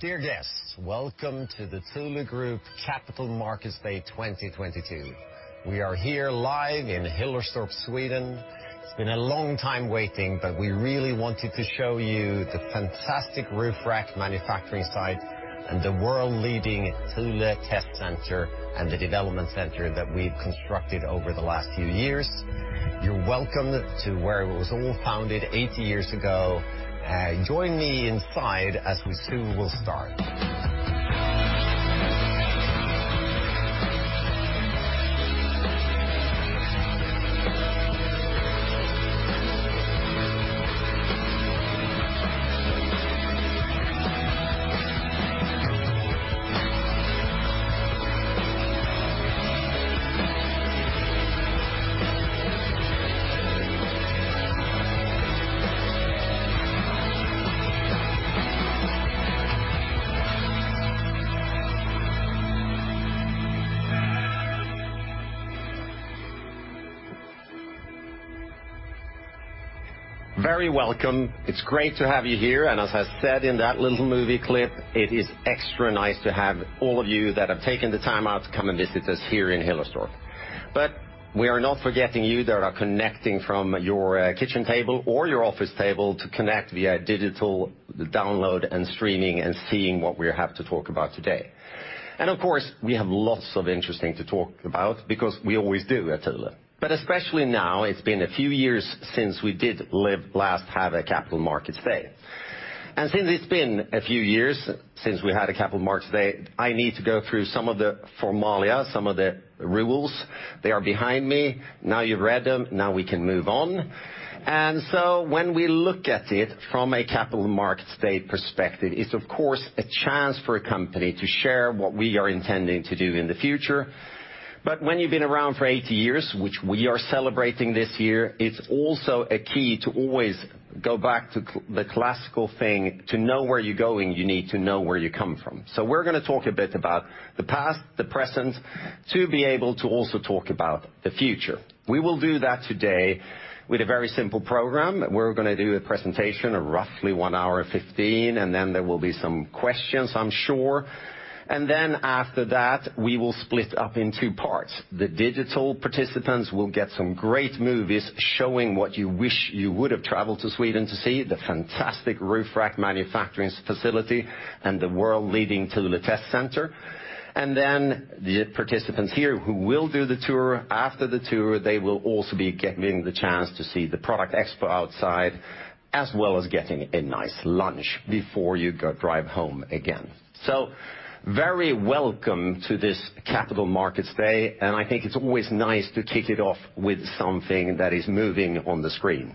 Dear guests, welcome to the Thule Group Capital Markets Day 2022. We are here live in Hillerstorp, Sweden. It's been a long time waiting, but we really wanted to show you the fantastic roof rack manufacturing site and the world-leading Thule Test Center and the development center that we've constructed over the last few years. You're welcome to where it was all founded 80 years ago. Join me inside as we soon will start. Very welcome. It's great to have you here, and as I said in that little movie clip, it is extra nice to have all of you that have taken the time out to come and visit us here in Hillerstorp. We are not forgetting you that are connecting from your kitchen table or your office table to connect via digital download and streaming and seeing what we have to talk about today. Of course, we have lots of interesting to talk about because we always do at Thule. Especially now, it's been a few years since we have a Capital Markets Day. Since it's been a few years since we had a Capital Markets Day, I need to go through some of the formalities, some of the rules. They are behind me. Now you've read them, now we can move on. When we look at it from a Capital Markets Day perspective, it's of course a chance for a company to share what we are intending to do in the future. When you've been around for 80 years, which we are celebrating this year, it's also a key to always go back to the classical thing. To know where you're going, you need to know where you come from. We're gonna talk a bit about the past, the present, to be able to also talk about the future. We will do that today with a very simple program. We're gonna do a presentation of roughly 1 hour 15, and then there will be some questions, I'm sure. Then after that, we will split up in two parts. The digital participants will get some great movies showing what you wish you would have traveled to Sweden to see, the fantastic roof rack manufacturing facility and the world-leading Thule Test Center. Then the participants here who will do the tour, after the tour, they will also be getting the chance to see the product expo outside, as well as getting a nice lunch before you go drive home again. Very welcome to this Capital Markets Day, and I think it's always nice to kick it off with something that is moving on the screen.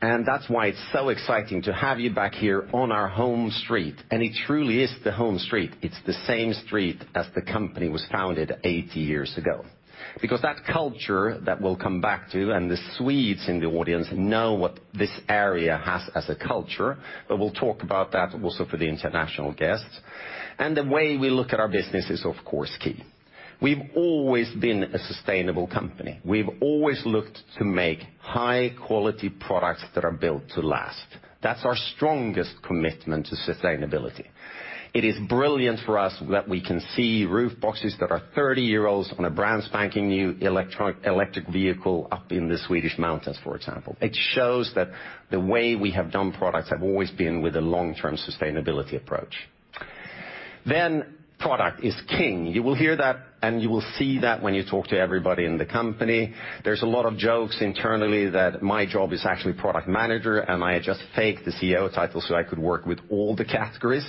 and that's why it's so exciting to have you back here on our home street, and it truly is the home street. It's the same street as the company was founded 80 years ago. Because that culture that we'll come back to, and the Swedes in the audience know what this area has as a culture, but we'll talk about that also for the international guests. The way we look at our business is of course key. We've always been a sustainable company. We've always looked to make high-quality products that are built to last. That's our strongest commitment to sustainability. It is brilliant for us that we can see roof boxes that are 30 years old on a brand spanking new electric vehicle up in the Swedish mountains, for example. It shows that the way we have done products have always been with a long-term sustainability approach. Product is king. You will hear that, and you will see that when you talk to everybody in the company. There's a lot of jokes internally that my job is actually product manager, and I just fake the CEO title, so I could work with all the categories.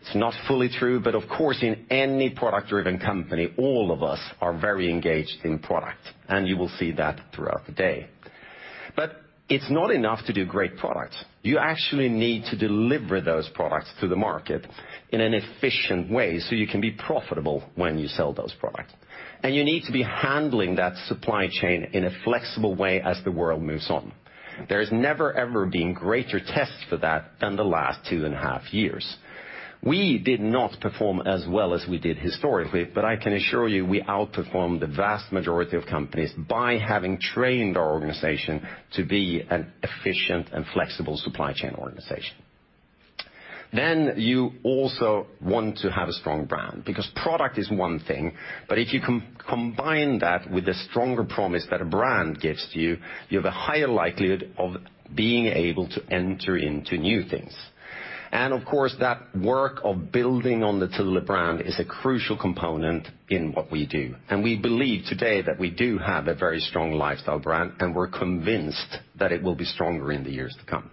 It's not fully true, but of course, in any product-driven company, all of us are very engaged in product, and you will see that throughout the day. It's not enough to do great products. You actually need to deliver those products to the market in an efficient way so you can be profitable when you sell those products. You need to be handling that supply chain in a flexible way as the world moves on. There has never, ever been greater tests for that than the last two and a half years. We did not perform as well as we did historically, but I can assure you, we outperformed the vast majority of companies by having trained our organization to be an efficient and flexible supply chain organization. You also want to have a strong brand because product is one thing, but if you combine that with the stronger promise that a brand gives to you have a higher likelihood of being able to enter into new things. Of course, that work of building on the Thule brand is a crucial component in what we do. We believe today that we do have a very strong lifestyle brand, and we're convinced that it will be stronger in the years to come.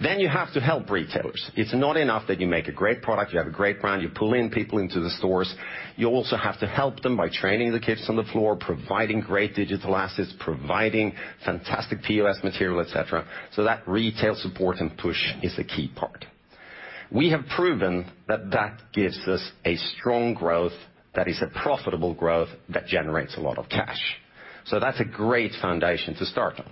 You have to help retailers. It's not enough that you make a great product, you have a great brand, you pull in people into the stores. You also have to help them by training the kids on the floor, providing great digital assets, providing fantastic POS material, et cetera. That retail support and push is a key part. We have proven that gives us a strong growth that is a profitable growth that generates a lot of cash. That's a great foundation to start on.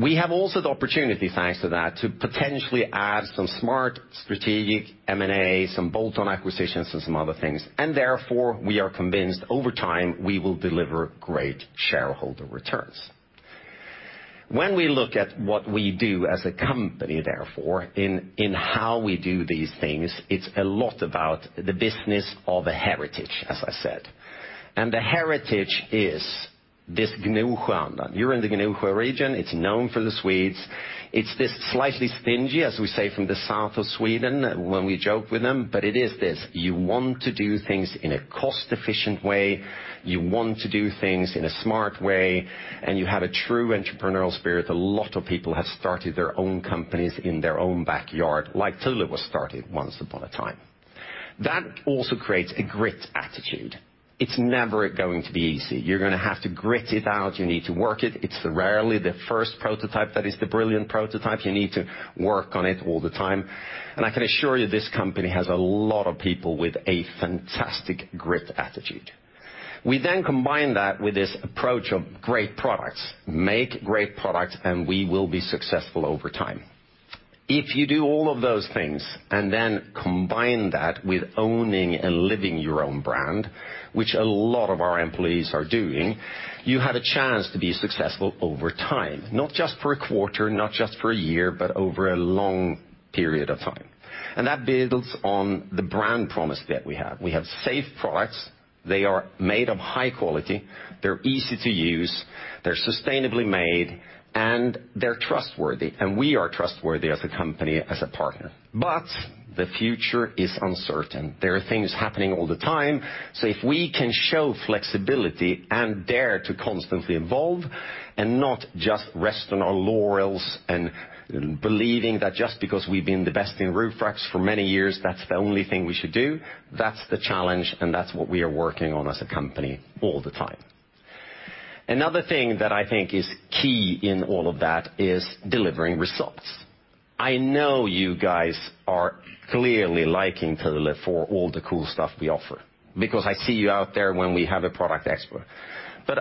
We have also the opportunity, thanks to that, to potentially add some smart strategic M&A, some bolt-on acquisitions and some other things, and therefore, we are convinced over time we will deliver great shareholder returns. When we look at what we do as a company, therefore, in how we do these things, it's a lot about the business of a heritage, as I said. The heritage is this Gnosjöland. You're in the Gnosjö region. It's known for the Swedes. It's this slightly stingy, as we say, from the south of Sweden when we joke with them. It is this. You want to do things in a cost-efficient way, you want to do things in a smart way, and you have a true entrepreneurial spirit. A lot of people have started their own companies in their own backyard, like Thule was started once upon a time. That also creates a grit attitude. It's never going to be easy. You're gonna have to grit it out. You need to work it. It's rarely the first prototype that is the brilliant prototype. You need to work on it all the time. I can assure you this company has a lot of people with a fantastic grit attitude. We then combine that with this approach of great products, make great products, and we will be successful over time. If you do all of those things and then combine that with owning and living your own brand, which a lot of our employees are doing, you have a chance to be successful over time, not just for a quarter, not just for a year, but over a long period of time. That builds on the brand promise that we have. We have safe products. They are made of high quality. They're easy to use, they're sustainably made, and they're trustworthy. We are trustworthy as a company, as a partner. The future is uncertain. There are things happening all the time. If we can show flexibility and dare to constantly evolve and not just rest on our laurels and believing that just because we've been the best in roof racks for many years, that's the only thing we should do. That's the challenge, and that's what we are working on as a company all the time. Another thing that I think is key in all of that is delivering results. I know you guys are clearly liking Thule for all the cool stuff we offer because I see you out there when we have a product expo.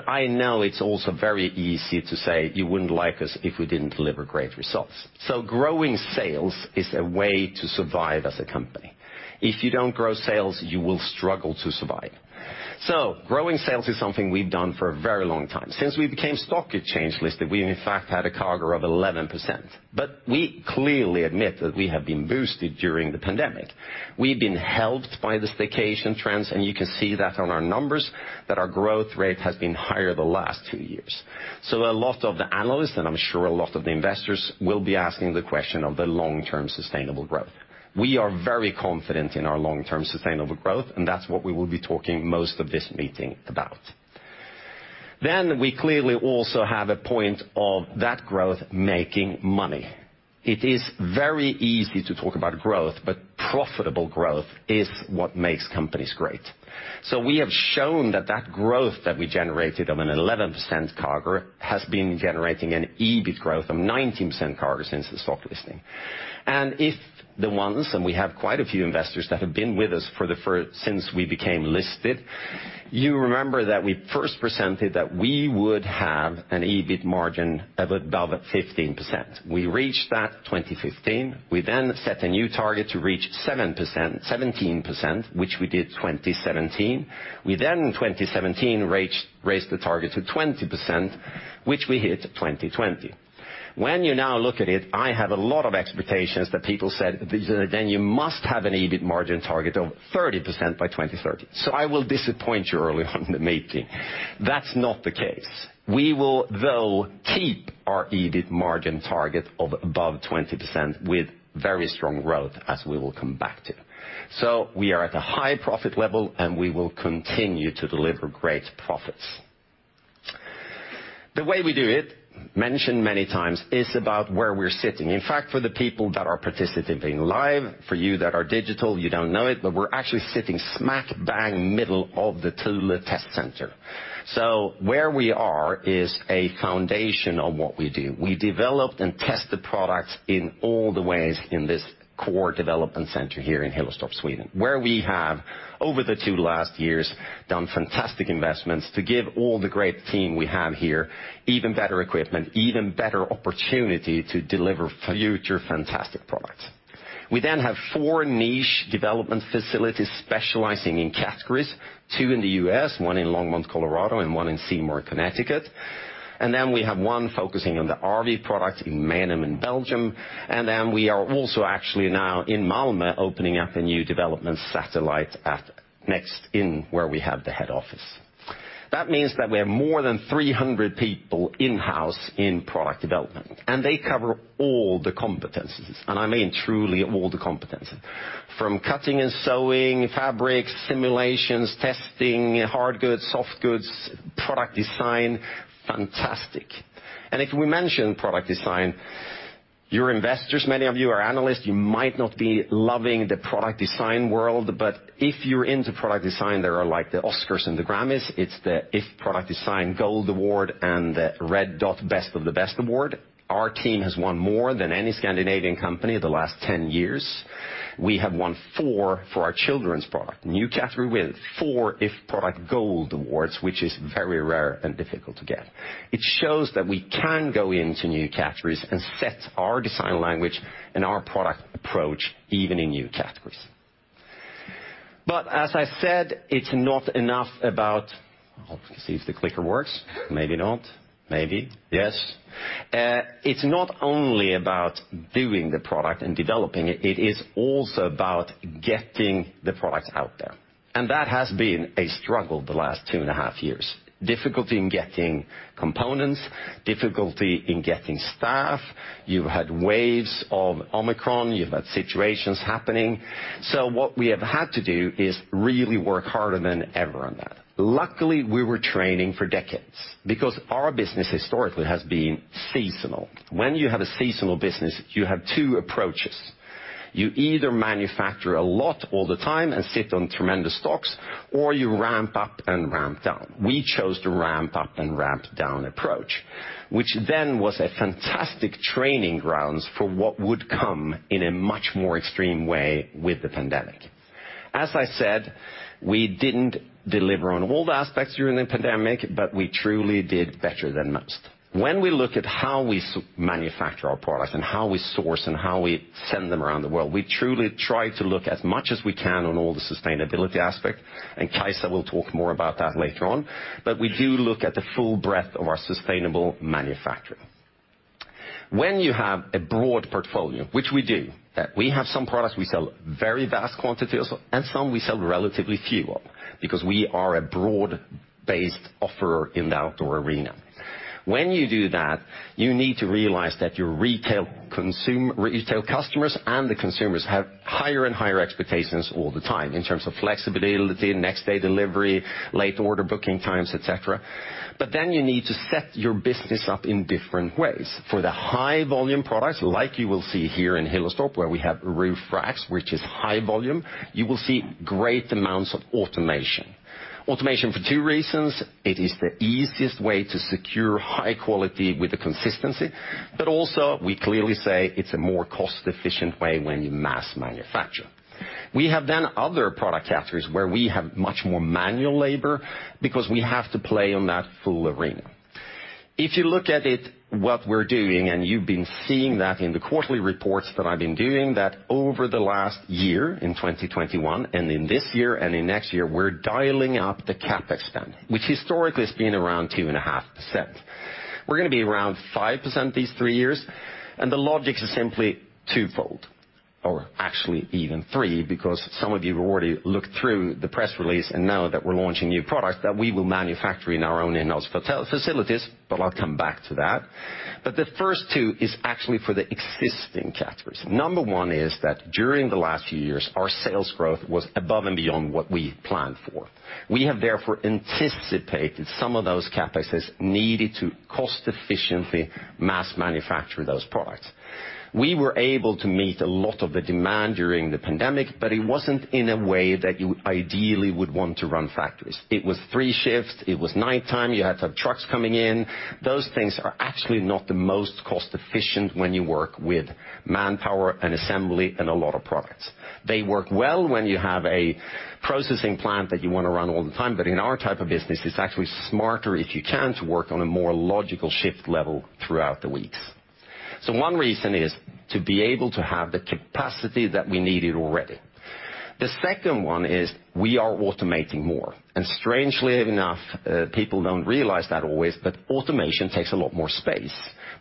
I know it's also very easy to say you wouldn't like us if we didn't deliver great results. Growing sales is a way to survive as a company. If you don't grow sales, you will struggle to survive. Growing sales is something we've done for a very long time. Since we became stock exchange-listed, we in fact had a CAGR of 11%. We clearly admit that we have been boosted during the pandemic. We've been helped by the staycation trends, and you can see that on our numbers, that our growth rate has been higher the last two years. A lot of the analysts, and I'm sure a lot of the investors, will be asking the question of the long-term sustainable growth. We are very confident in our long-term sustainable growth, and that's what we will be talking most of this meeting about. We clearly also have a point of that growth making money. It is very easy to talk about growth, but profitable growth is what makes companies great. We have shown that growth that we generated of an 11% CAGR has been generating an EBIT growth of 19% CAGR since the stock listing. We have quite a few investors that have been with us since we became listed. You remember that we first presented that we would have an EBIT margin of above 15%. We reached that 2015. We then set a new target to reach 17%, which we did 2017. We then in 2017 raised the target to 20%, which we hit 2020. When you now look at it, I have a lot of expectations that people said, "Then you must have an EBIT margin target of 30% by 2030." I will disappoint you early on in the meeting. That's not the case. We will, though, keep our EBIT margin target of above 20% with very strong growth as we will come back to. We are at a high profit level, and we will continue to deliver great profits. The way we do it, mentioned many times, is about where we're sitting. In fact, for the people that are participating live, for you that are digital, you don't know it, but we're actually sitting smack bang middle of the Thule Test Center. Where we are is a foundation on what we do. We develop and test the products in all the ways in this core development center here in Hillerstorp, Sweden, where we have, over the two last years, done fantastic investments to give all the great team we have here even better equipment, even better opportunity to deliver future fantastic products. We then have four niche development facilities specializing in categories, two in the U.S., one in Longmont, Colorado, and one in Seymour, Connecticut. We have one focusing on the RV product in Menen, in Belgium. We are also actually now in Malmö, opening up a new development satellite at Nextin where we have the head office. That means that we have more than 300 people in-house in product development, and they cover all the competencies, and I mean truly all the competencies. From cutting and sewing, fabrics, simulations, testing, hard goods, soft goods, product design, fantastic. If we mention product design, you're investors, many of you are analysts, you might not be loving the product design world, but if you're into product design, there are like the Oscars and the Grammys. It's the iF Product Design Gold Award and the Red Dot: Best of the Best award. Our team has won more than any Scandinavian company in the last 10 years. We have won four for our children's product. New category win, four iF Product Gold Awards, which is very rare and difficult to get. It shows that we can go into new categories and set our design language and our product approach even in new categories. As I said, it's not enough about. I hope to see if the clicker works. Maybe not. Maybe, yes. It's not only about doing the product and developing it is also about getting the products out there. That has been a struggle the last two and a half years. Difficulty in getting components, difficulty in getting staff. You've had waves of Omicron, you've had situations happening. What we have had to do is really work harder than ever on that. Luckily, we were training for decades because our business historically has been seasonal. When you have a seasonal business, you have two approaches. You either manufacture a lot all the time and sit on tremendous stocks, or you ramp up and ramp down. We chose to ramp up and ramp down approach, which then was a fantastic training grounds for what would come in a much more extreme way with the pandemic. As I said, we didn't deliver on all the aspects during the pandemic, but we truly did better than most. When we look at how we manufacture our products and how we source and how we send them around the world, we truly try to look as much as we can on all the sustainability aspect, and Kajsa will talk more about that later on. We do look at the full breadth of our sustainable manufacturing. When you have a broad portfolio, which we do, that we have some products we sell very vast quantities, and some we sell relatively few of because we are a broad-based offerer in the outdoor arena. When you do that, you need to realize that your retail customers and the consumers have higher and higher expectations all the time in terms of flexibility, next day delivery, late order booking times, et cetera. You need to set your business up in different ways. For the high volume products, like you will see here in Hillerstorp, where we have roof racks, which is high volume, you will see great amounts of automation. Automation for two reasons. It is the easiest way to secure high quality with the consistency, but also we clearly say it's a more cost-efficient way when you mass manufacture. We have then other product categories where we have much more manual labor because we have to play on that full arena. If you look at it, what we're doing, and you've been seeing that in the quarterly reports that I've been doing, that over the last year in 2021 and in this year and in next year, we're dialing up the CapEx spend, which historically has been around 2.5%. We're gonna be around 5% these three years, and the logic is simply twofold. Actually even three, because some of you have already looked through the press release and know that we're launching new products that we will manufacture in our own in-house facilities, but I'll come back to that. The first two is actually for the existing categories. Number one is that during the last few years, our sales growth was above and beyond what we planned for. We have therefore anticipated some of those CapExes needed to cost efficiently mass manufacture those products. We were able to meet a lot of the demand during the pandemic, but it wasn't in a way that you ideally would want to run factories. It was three shifts, it was nighttime, you had to have trucks coming in. Those things are actually not the most cost efficient when you work with manpower and assembly and a lot of products. They work well when you have a processing plant that you wanna run all the time. In our type of business, it's actually smarter if you can to work on a more logical shift level throughout the weeks. One reason is to be able to have the capacity that we needed already. The second one is we are automating more. Strangely enough, people don't realize that always, but automation takes a lot more space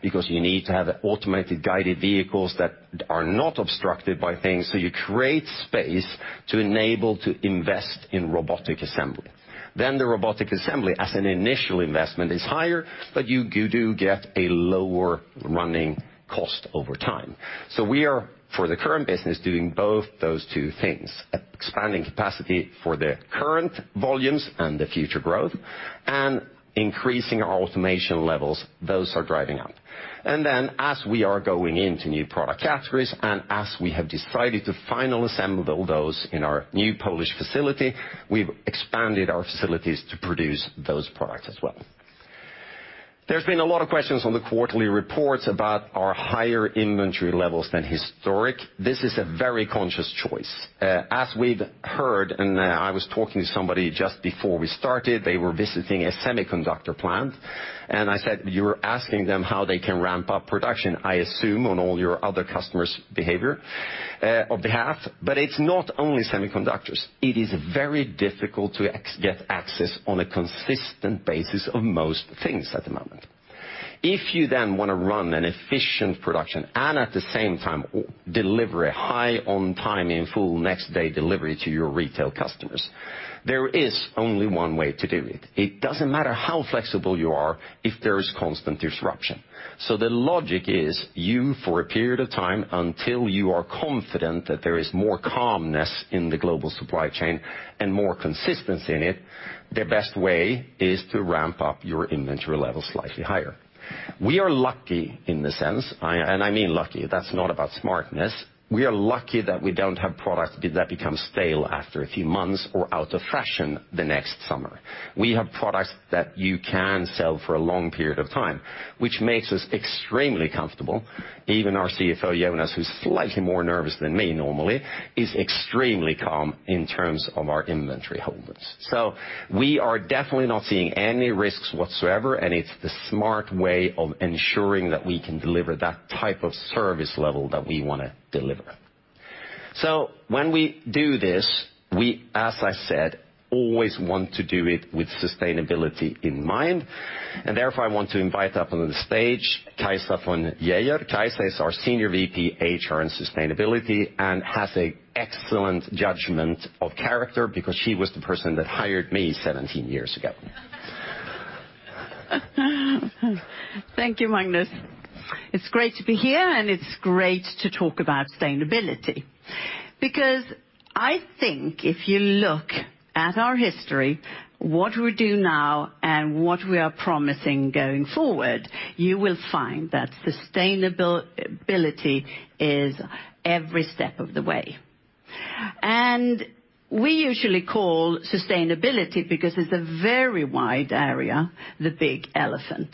because you need to have automated guided vehicles that are not obstructed by things. You create space to enable to invest in robotic assembly. The robotic assembly as an initial investment is higher, but you do get a lower running cost over time. We are, for the current business, doing both those two things, expanding capacity for the current volumes and the future growth, and increasing our automation levels. Those are driving up. Then as we are going into new product categories, and as we have decided to final assemble those in our new Polish facility, we've expanded our facilities to produce those products as well. There's been a lot of questions on the quarterly reports about our higher inventory levels than historic. This is a very conscious choice. As we've heard, and I was talking to somebody just before we started, they were visiting a semiconductor plant, and I said, "You were asking them how they can ramp up production, I assume on all your other customers' behavior, or behalf." It's not only semiconductors. It is very difficult to get access on a consistent basis of most things at the moment. If you then wanna run an efficient production and at the same time deliver a high on time in full next day delivery to your retail customers, there is only one way to do it. It doesn't matter how flexible you are if there is constant disruption. The logic is you, for a period of time, until you are confident that there is more calmness in the global supply chain and more consistency in it, the best way is to ramp up your inventory levels slightly higher. We are lucky in a sense, and I mean lucky, that's not about smartness. We are lucky that we don't have products that become stale after a few months or out of fashion the next summer. We have products that you can sell for a long period of time, which makes us extremely comfortable. Even our CFO, Jonas, who's slightly more nervous than me normally, is extremely calm in terms of our inventory holdings. We are definitely not seeing any risks whatsoever, and it's the smart way of ensuring that we can deliver that type of service level that we wanna deliver. When we do this, we, as I said, always want to do it with sustainability in mind. Therefore, I want to invite up on the stage Kajsa von Geijer. Kajsa is our Senior VP, HR, and Sustainability, and has an excellent judgment of character because she was the person that hired me 17 years ago. Thank you, Magnus. It's great to be here, and it's great to talk about sustainability because I think if you look at our history, what we do now, and what we are promising going forward, you will find that sustainability is every step of the way. We usually call sustainability, because it's a very wide area, the big elephant.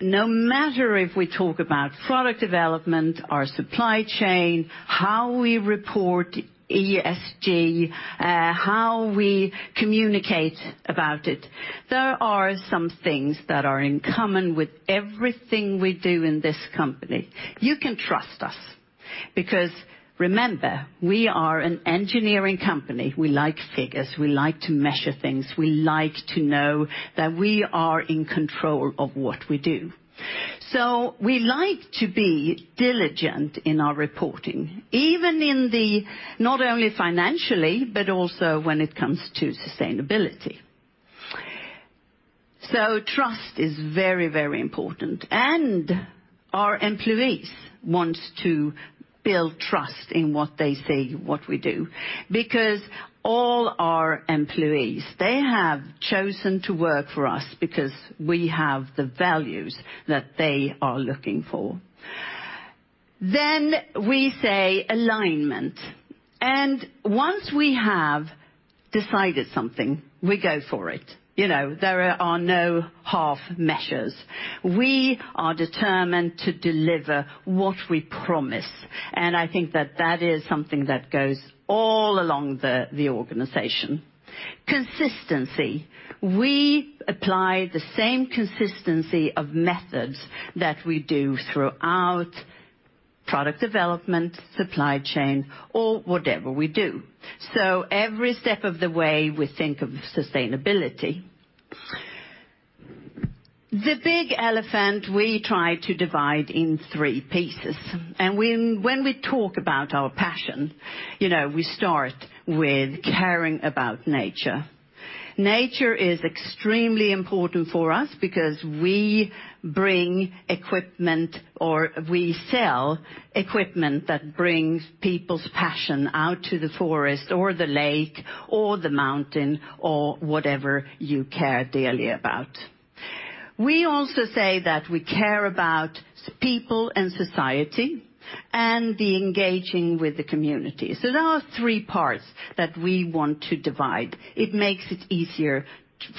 No matter if we talk about product development, our supply chain, how we report ESG, how we communicate about it, there are some things that are in common with everything we do in this company. You can trust us because remember, we are an engineering company. We like figures, we like to measure things, we like to know that we are in control of what we do. We like to be diligent in our reporting, even not only financially, but also when it comes to sustainability. Trust is very, very important, and our employees want to build trust in what they see, what we do, because all our employees, they have chosen to work for us because we have the values that they are looking for. We say alignment. Once we have decided something, we go for it. You know, there are no half measures. We are determined to deliver what we promise, and I think that is something that goes all along the organization. Consistency. We apply the same consistency of methods that we do throughout product development, supply chain, or whatever we do. Every step of the way, we think of sustainability. The big elephant we try to divide in three pieces. When we talk about our passion, you know, we start with caring about nature. Nature is extremely important for us because we bring equipment, or we sell equipment that brings people's passion out to the forest or the lake or the mountain or whatever you care dearly about. We also say that we care about people and society and engaging with the community. There are three parts that we want to divide. It makes it easier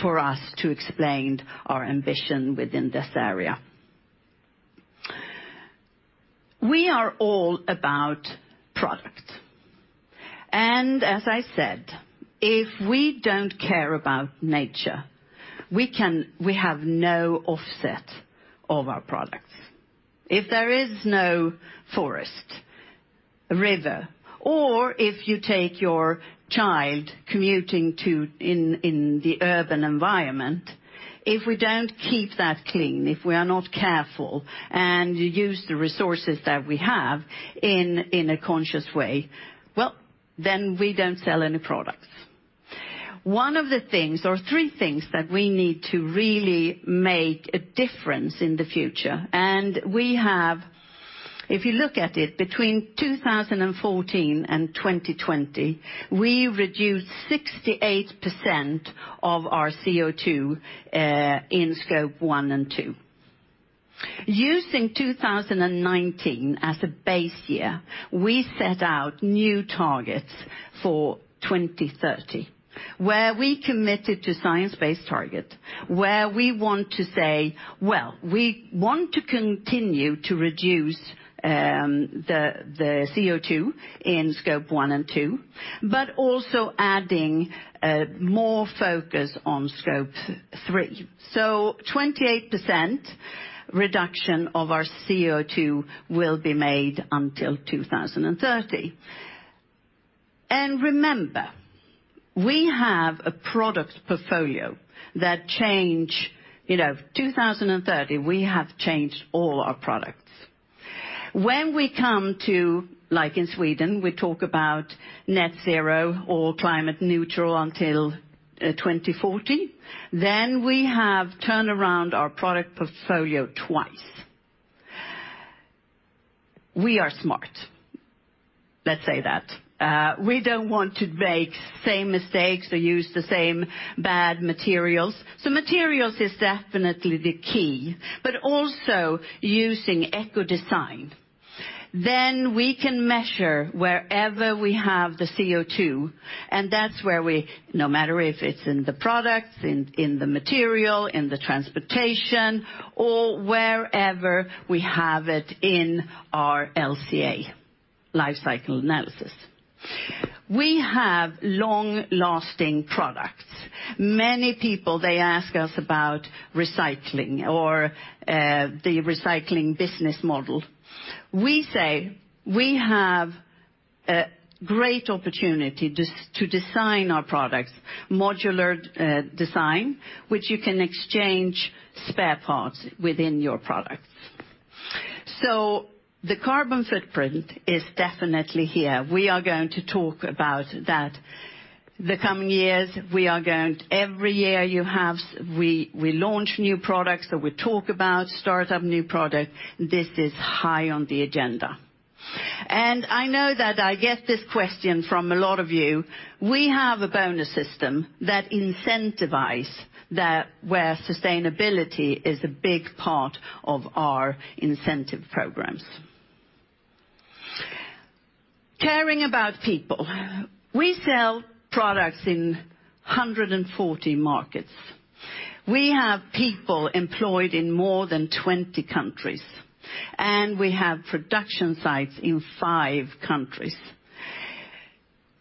for us to explain our ambition within this area. We are all about product. As I said, if we don't care about nature, we have no offset of our products. If there is no forest, a river, or if you take your child commuting in the urban environment, if we don't keep that clean, if we are not careful, and use the resources that we have in a conscious way, well, then we don't sell any products. One of the things or three things that we need to really make a difference in the future, and we have. If you look at it between 2014 and 2020, we reduced 68% of our CO2 in Scope 1 and 2. Using 2019 as a base year, we set out new targets for 2030, where we committed to science-based target, where we want to say, well, we want to continue to reduce the CO2 in Scope 1 and 2, but also adding more focus on Scope 3. 28% reduction of our CO2 will be made until 2030. Remember, we have a product portfolio that change, you know, 2030, we have changed all our products. When we come to, like in Sweden, we talk about net zero or climate neutral until 2040, then we have turned around our product portfolio twice. We are smart. Let's say that. We don't want to make same mistakes or use the same bad materials. Materials is definitely the key, but also using ecodesign. We can measure wherever we have the CO2, and that's where we, no matter if it's in the products, in the material, in the transportation or wherever we have it in our LCA, life cycle analysis. We have long-lasting products. Many people, they ask us about recycling or the recycling business model. We say we have a great opportunity to design our products modular design, which you can exchange spare parts within your products. So the carbon footprint is definitely here. We are going to talk about that the coming years. We launch new products or we talk about start up new product. This is high on the agenda. I know that I get this question from a lot of you. We have a bonus system that incentivize that where sustainability is a big part of our incentive programs. Caring about people. We sell products in 140 markets. We have people employed in more than 20 countries, and we have production sites in five countries.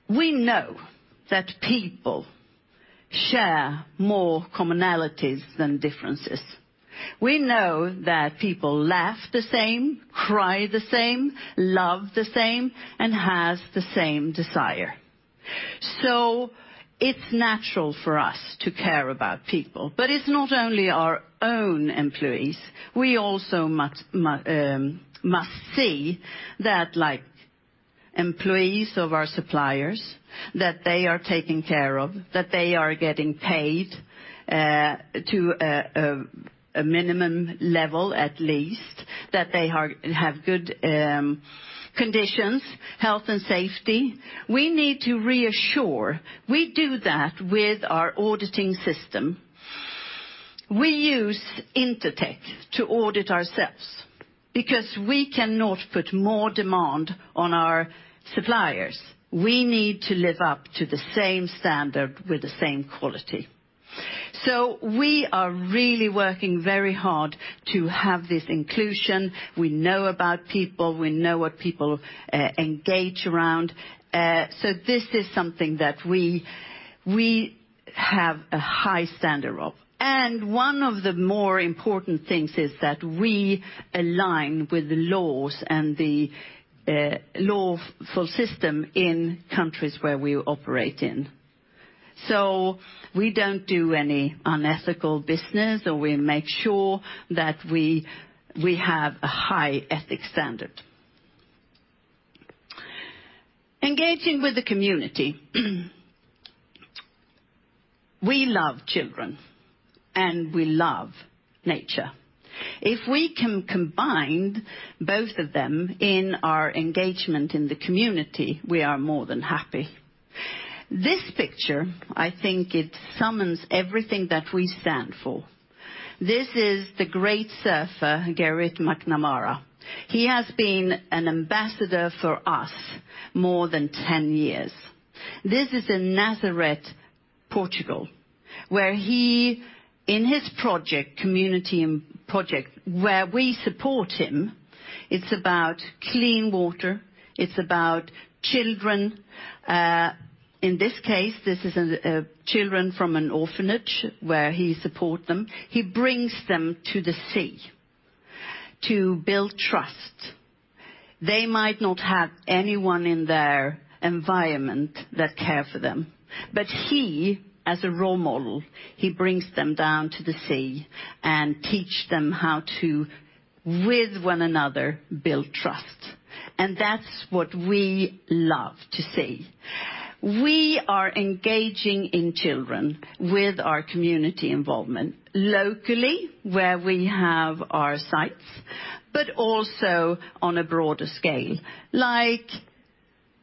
We know that people share more commonalities than differences. We know that people laugh the same, cry the same, love the same, and has the same desire. It's natural for us to care about people, but it's not only our own employees. We also must see that, like, employees of our suppliers, that they are taken care of, that they are getting paid to a minimum level at least, that they have good conditions, health and safety. We need to reassure. We do that with our auditing system. We use Intertek to audit ourselves because we cannot put more demand on our suppliers. We need to live up to the same standard with the same quality. We are really working very hard to have this inclusion. We know about people. We know what people engage around. This is something that we have a high standard of. One of the more important things is that we align with the laws and the lawful system in countries where we operate in. We don't do any unethical business, or we make sure that we have a high ethical standard. Engaging with the community. We love children, and we love nature. If we can combine both of them in our engagement in the community, we are more than happy. This picture, I think it sums up everything that we stand for. This is the great surfer, Garrett McNamara. He has been an ambassador for us more than 10 years. This is in Nazaré, Portugal, where he, in his project, community project, where we support him, it's about clean water, it's about children. In this case, this is an children from an orphanage where he support them. He brings them to the sea to build trust. They might not have anyone in their environment that care for them, but he, as a role model, he brings them down to the sea and teach them how to, with one another, build trust. That's what we love to see. We are engaging in children with our community involvement locally, where we have our sites, but also on a broader scale, like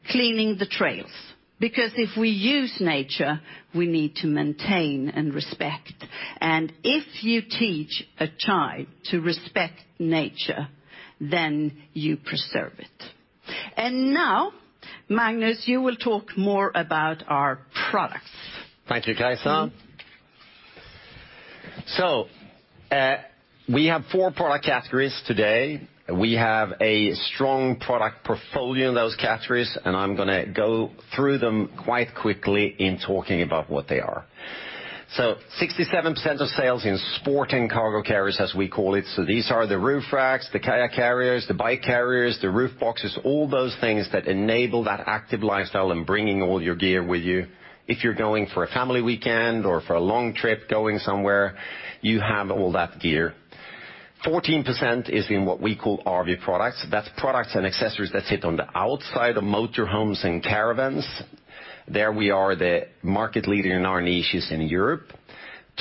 cleaning the trails, because if we use nature, we need to maintain and respect. If you teach a child to respect nature, then you preserve it. Now, Magnus, you will talk more about our products. Thank you, Kajsa. We have four product categories today. We have a strong product portfolio in those categories, and I'm gonna go through them quite quickly in talking about what they are. 67% of sales in sport and cargo carriers, as we call it, so these are the roof racks, the kayak carriers, the bike carriers, the roof boxes, all those things that enable that active lifestyle and bringing all your gear with you. If you're going for a family weekend or for a long trip going somewhere, you have all that gear. 14% is in what we call RV products. That's products and accessories that sit on the outside of motor homes and caravans. There we are the market leader in our niches in Europe.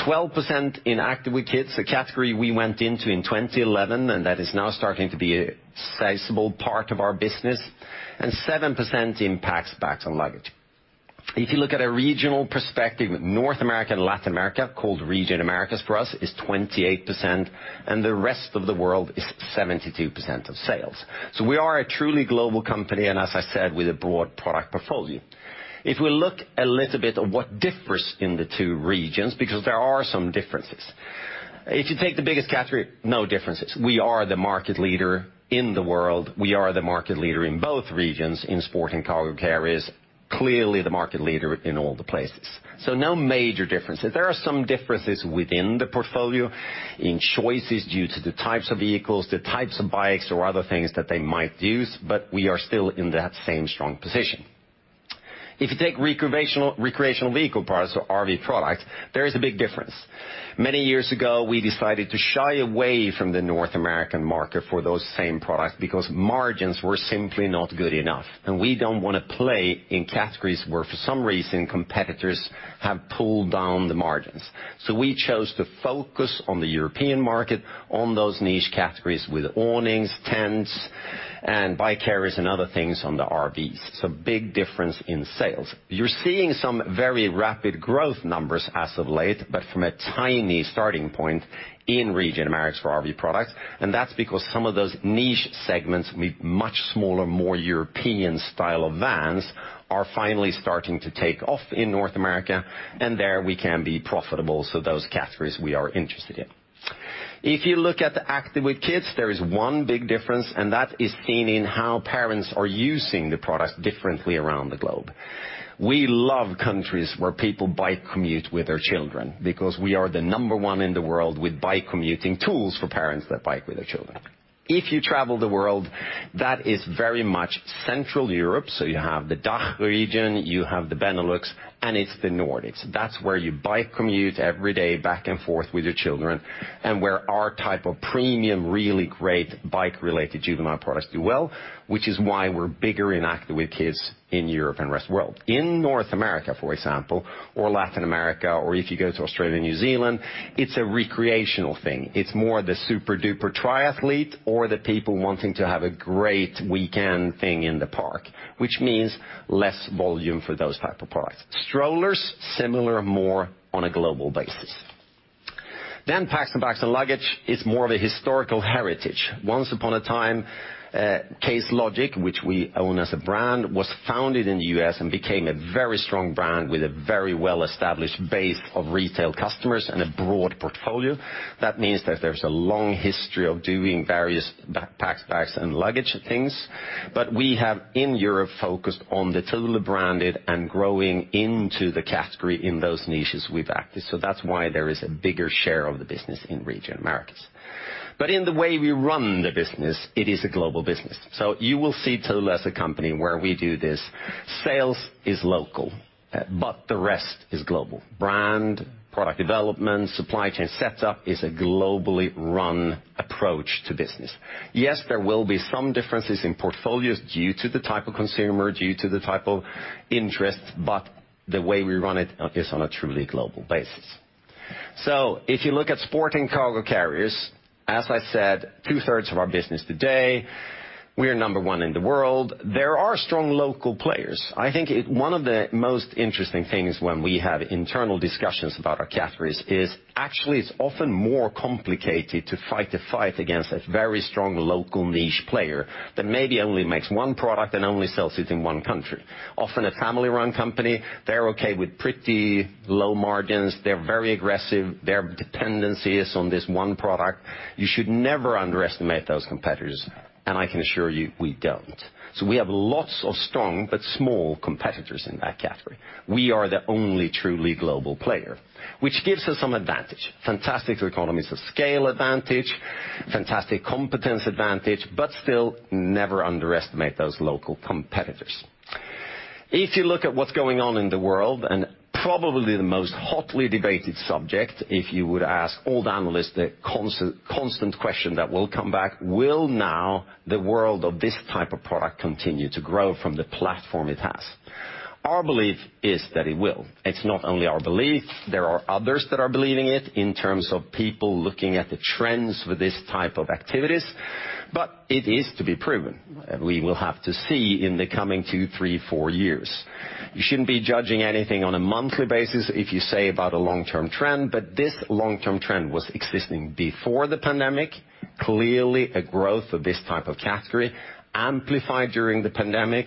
12% in Active with Kids, a category we went into in 2011, and that is now starting to be a sizable part of our business, and 7% in Packs, Bags & Luggage. If you look at a regional perspective, North America and Latin America, called Region Americas for us, is 28%, and the rest of the world is 72% of sales. We are a truly global company, and as I said, with a broad product portfolio. If we look a little bit of what differs in the two regions, because there are some differences. If you take the biggest category, no differences. We are the market leader in the world. We are the market leader in both regions in sport and cargo carriers, clearly the market leader in all the places. No major differences. There are some differences within the portfolio in choices due to the types of vehicles, the types of bikes or other things that they might use, but we are still in that same strong position. If you take recreational vehicle products or RV products, there is a big difference. Many years ago, we decided to shy away from the North American market for those same products because margins were simply not good enough. We don't wanna play in categories where for some reason competitors have pulled down the margins. We chose to focus on the European market on those niche categories with awnings, tents, and bike carriers and other things on the RVs. Big difference in sales. You're seeing some very rapid growth numbers as of late, but from a tiny starting point in Region Americas for RV products, and that's because some of those niche segments with much smaller, more European style of vans are finally starting to take off in North America, and there we can be profitable. Those categories we are interested in. If you look at the Active with Kids, there is one big difference, and that is seen in how parents are using the product differently around the globe. We love countries where people bike commute with their children because we are the number one in the world with bike commuting tools for parents that bike with their children. If you travel the world, that is very much Central Europe. You have the DACH region, you have the Benelux, and it's the Nordics. That's where you bike commute every day back and forth with your children and where our type of premium, really great bike-related juvenile products do well, which is why we're bigger in Active with Kids in Europe and rest of the world. In North America, for example, or Latin America, or if you go to Australia and New Zealand, it's a recreational thing. It's more the super-duper triathlete or the people wanting to have a great weekend thing in the park, which means less volume for those type of products. Strollers, similar more on a global basis. Then Packs, Bags & Luggage is more of a historical heritage. Once upon a time, Case Logic, which we own as a brand, was founded in the U.S. and became a very strong brand with a very well-established base of retail customers and a broad portfolio. That means that there's a long history of doing various backpacks, bags, and luggage things. We have in Europe focused on the Thule-branded and growing into the category in those niches we've acted. That's why there is a bigger share of the business in Region Americas. In the way we run the business, it is a global business. You will see Thule as a company where we do this. Sales is local, but the rest is global. Brand, product development, supply chain setup is a globally run approach to business. Yes, there will be some differences in portfolios due to the type of consumer, due to the type of interest, but the way we run it is on a truly global basis. If you look at sport and cargo carriers, as I said, two-thirds of our business today, we are number one in the world. There are strong local players. I think one of the most interesting things when we have internal discussions about our categories is actually it's often more complicated to fight the fight against a very strong local niche player that maybe only makes one product and only sells it in one country. Often a family-run company, they're okay with pretty low margins. They're very aggressive. Their dependency is on this one product. You should never underestimate those competitors, and I can assure you we don't. We have lots of strong but small competitors in that category. We are the only truly global player, which gives us some advantage. Fantastic economies of scale advantage, fantastic competence advantage, but still never underestimate those local competitors. If you look at what's going on in the world, and probably the most hotly debated subject, if you would ask all the analysts the constant question that will come back. Will now the world of this type of product continue to grow from the platform it has? Our belief is that it will. It's not only our belief, there are others that are believing it in terms of people looking at the trends for this type of activities, but it is to be proven. We will have to see in the coming two, three, four years. You shouldn't be judging anything on a monthly basis, if you say about a long-term trend, but this long-term trend was existing before the pandemic. Clearly a growth of this type of category amplified during the pandemic.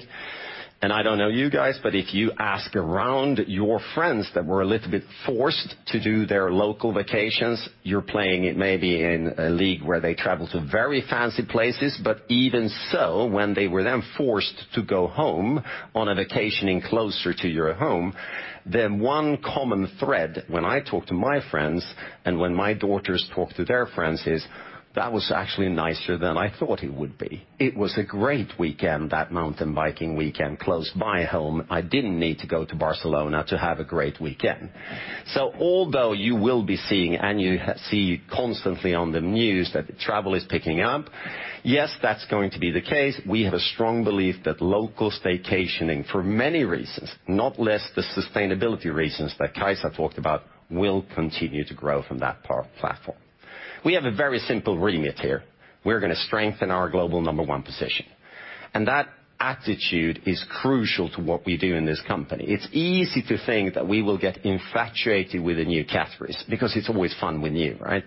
I don't know you guys, but if you ask around your friends that were a little bit forced to do their local vacations, you're playing it maybe in a league where they travel to very fancy places. But even so, when they were then forced to go home on a vacationing closer to your home, then one common thread when I talk to my friends and when my daughters talk to their friends is, "That was actually nicer than I thought it would be. It was a great weekend, that mountain biking weekend close by home. I didn't need to go to Barcelona to have a great weekend." Although you will be seeing, and you see constantly on the news that travel is picking up, yes, that's going to be the case. We have a strong belief that local stationing for many reasons, not least the sustainability reasons that Kajsa talked about, will continue to grow from that platform. We have a very simple remit here. We're gonna strengthen our global number one position, and that attitude is crucial to what we do in this company. It's easy to think that we will get infatuated with the new categories because it's always fun with new, right?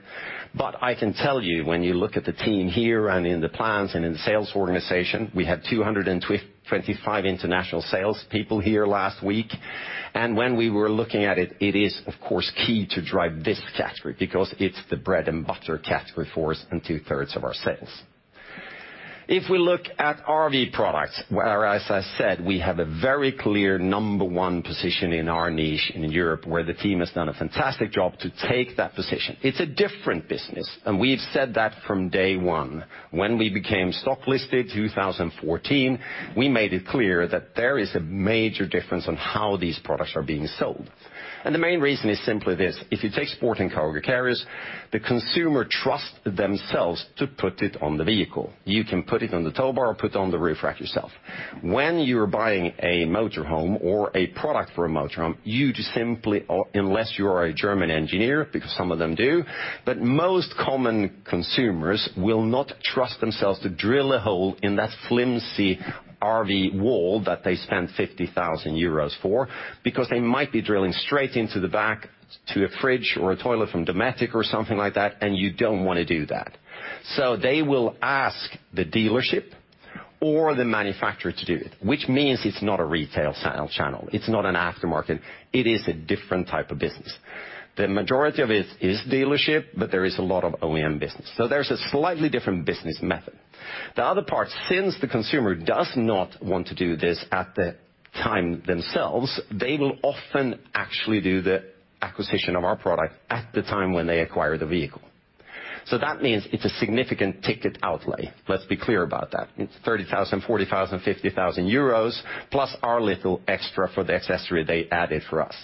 But I can tell you, when you look at the team here and in the plants and in the sales organization, we had 225 international sales people here last week. When we were looking at it is of course key to drive this category because it's the bread and butter category for us and two-thirds of our sales. If we look at RV products, where, as I said, we have a very clear number one position in our niche in Europe, where the team has done a fantastic job to take that position. It's a different business, and we've said that from day one. When we became stock listed, 2014, we made it clear that there is a major difference on how these products are being sold. The main reason is simply this. If you take sport and cargo carriers, the consumer trust themselves to put it on the vehicle. You can put it on the tow bar or put it on the roof rack yourself. When you're buying a motor home or a product for a motor home, you just simply, or unless you are a German engineer, because some of them do, but most common consumers will not trust themselves to drill a hole in that flimsy RV wall that they spend 50,000 euros for, because they might be drilling straight into the back to a fridge or a toilet from Dometic or something like that, and you don't wanna do that. They will ask the dealership or the manufacturer to do it, which means it's not a retail sale channel. It's not an aftermarket. It is a different type of business. The majority of it is dealership, but there is a lot of OEM business. There's a slightly different business method. The other part, since the consumer does not want to do this at the time themselves, they will often actually do the acquisition of our product at the time when they acquire the vehicle. That means it's a significant ticket outlay. Let's be clear about that. It's 30,000, 40,000, 50,000 euros, plus our little extra for the accessory they added for us.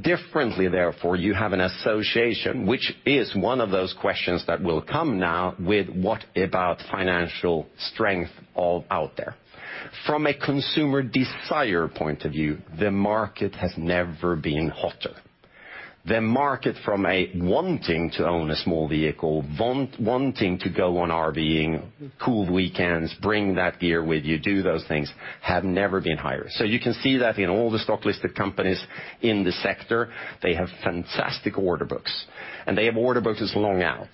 Differently therefore, you have an association which is one of those questions that will come now with what about financial strength all out there. From a consumer desire point of view, the market has never been hotter. The market from a wanting to own a small vehicle, wanting to go on RVing, cool weekends, bring that gear with you, do those things, have never been higher. You can see that in all the stock-listed companies in the sector, they have fantastic order books, and they have order books long out.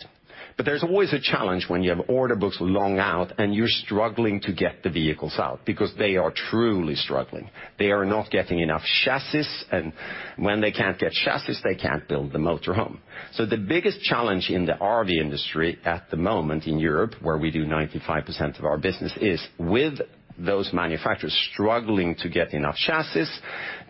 There's always a challenge when you have order books long out and you're struggling to get the vehicles out because they are truly struggling. They are not getting enough chassis, and when they can't get chassis, they can't build the motor home. The biggest challenge in the RV industry at the moment in Europe, where we do 95% of our business, is with those manufacturers struggling to get enough chassis.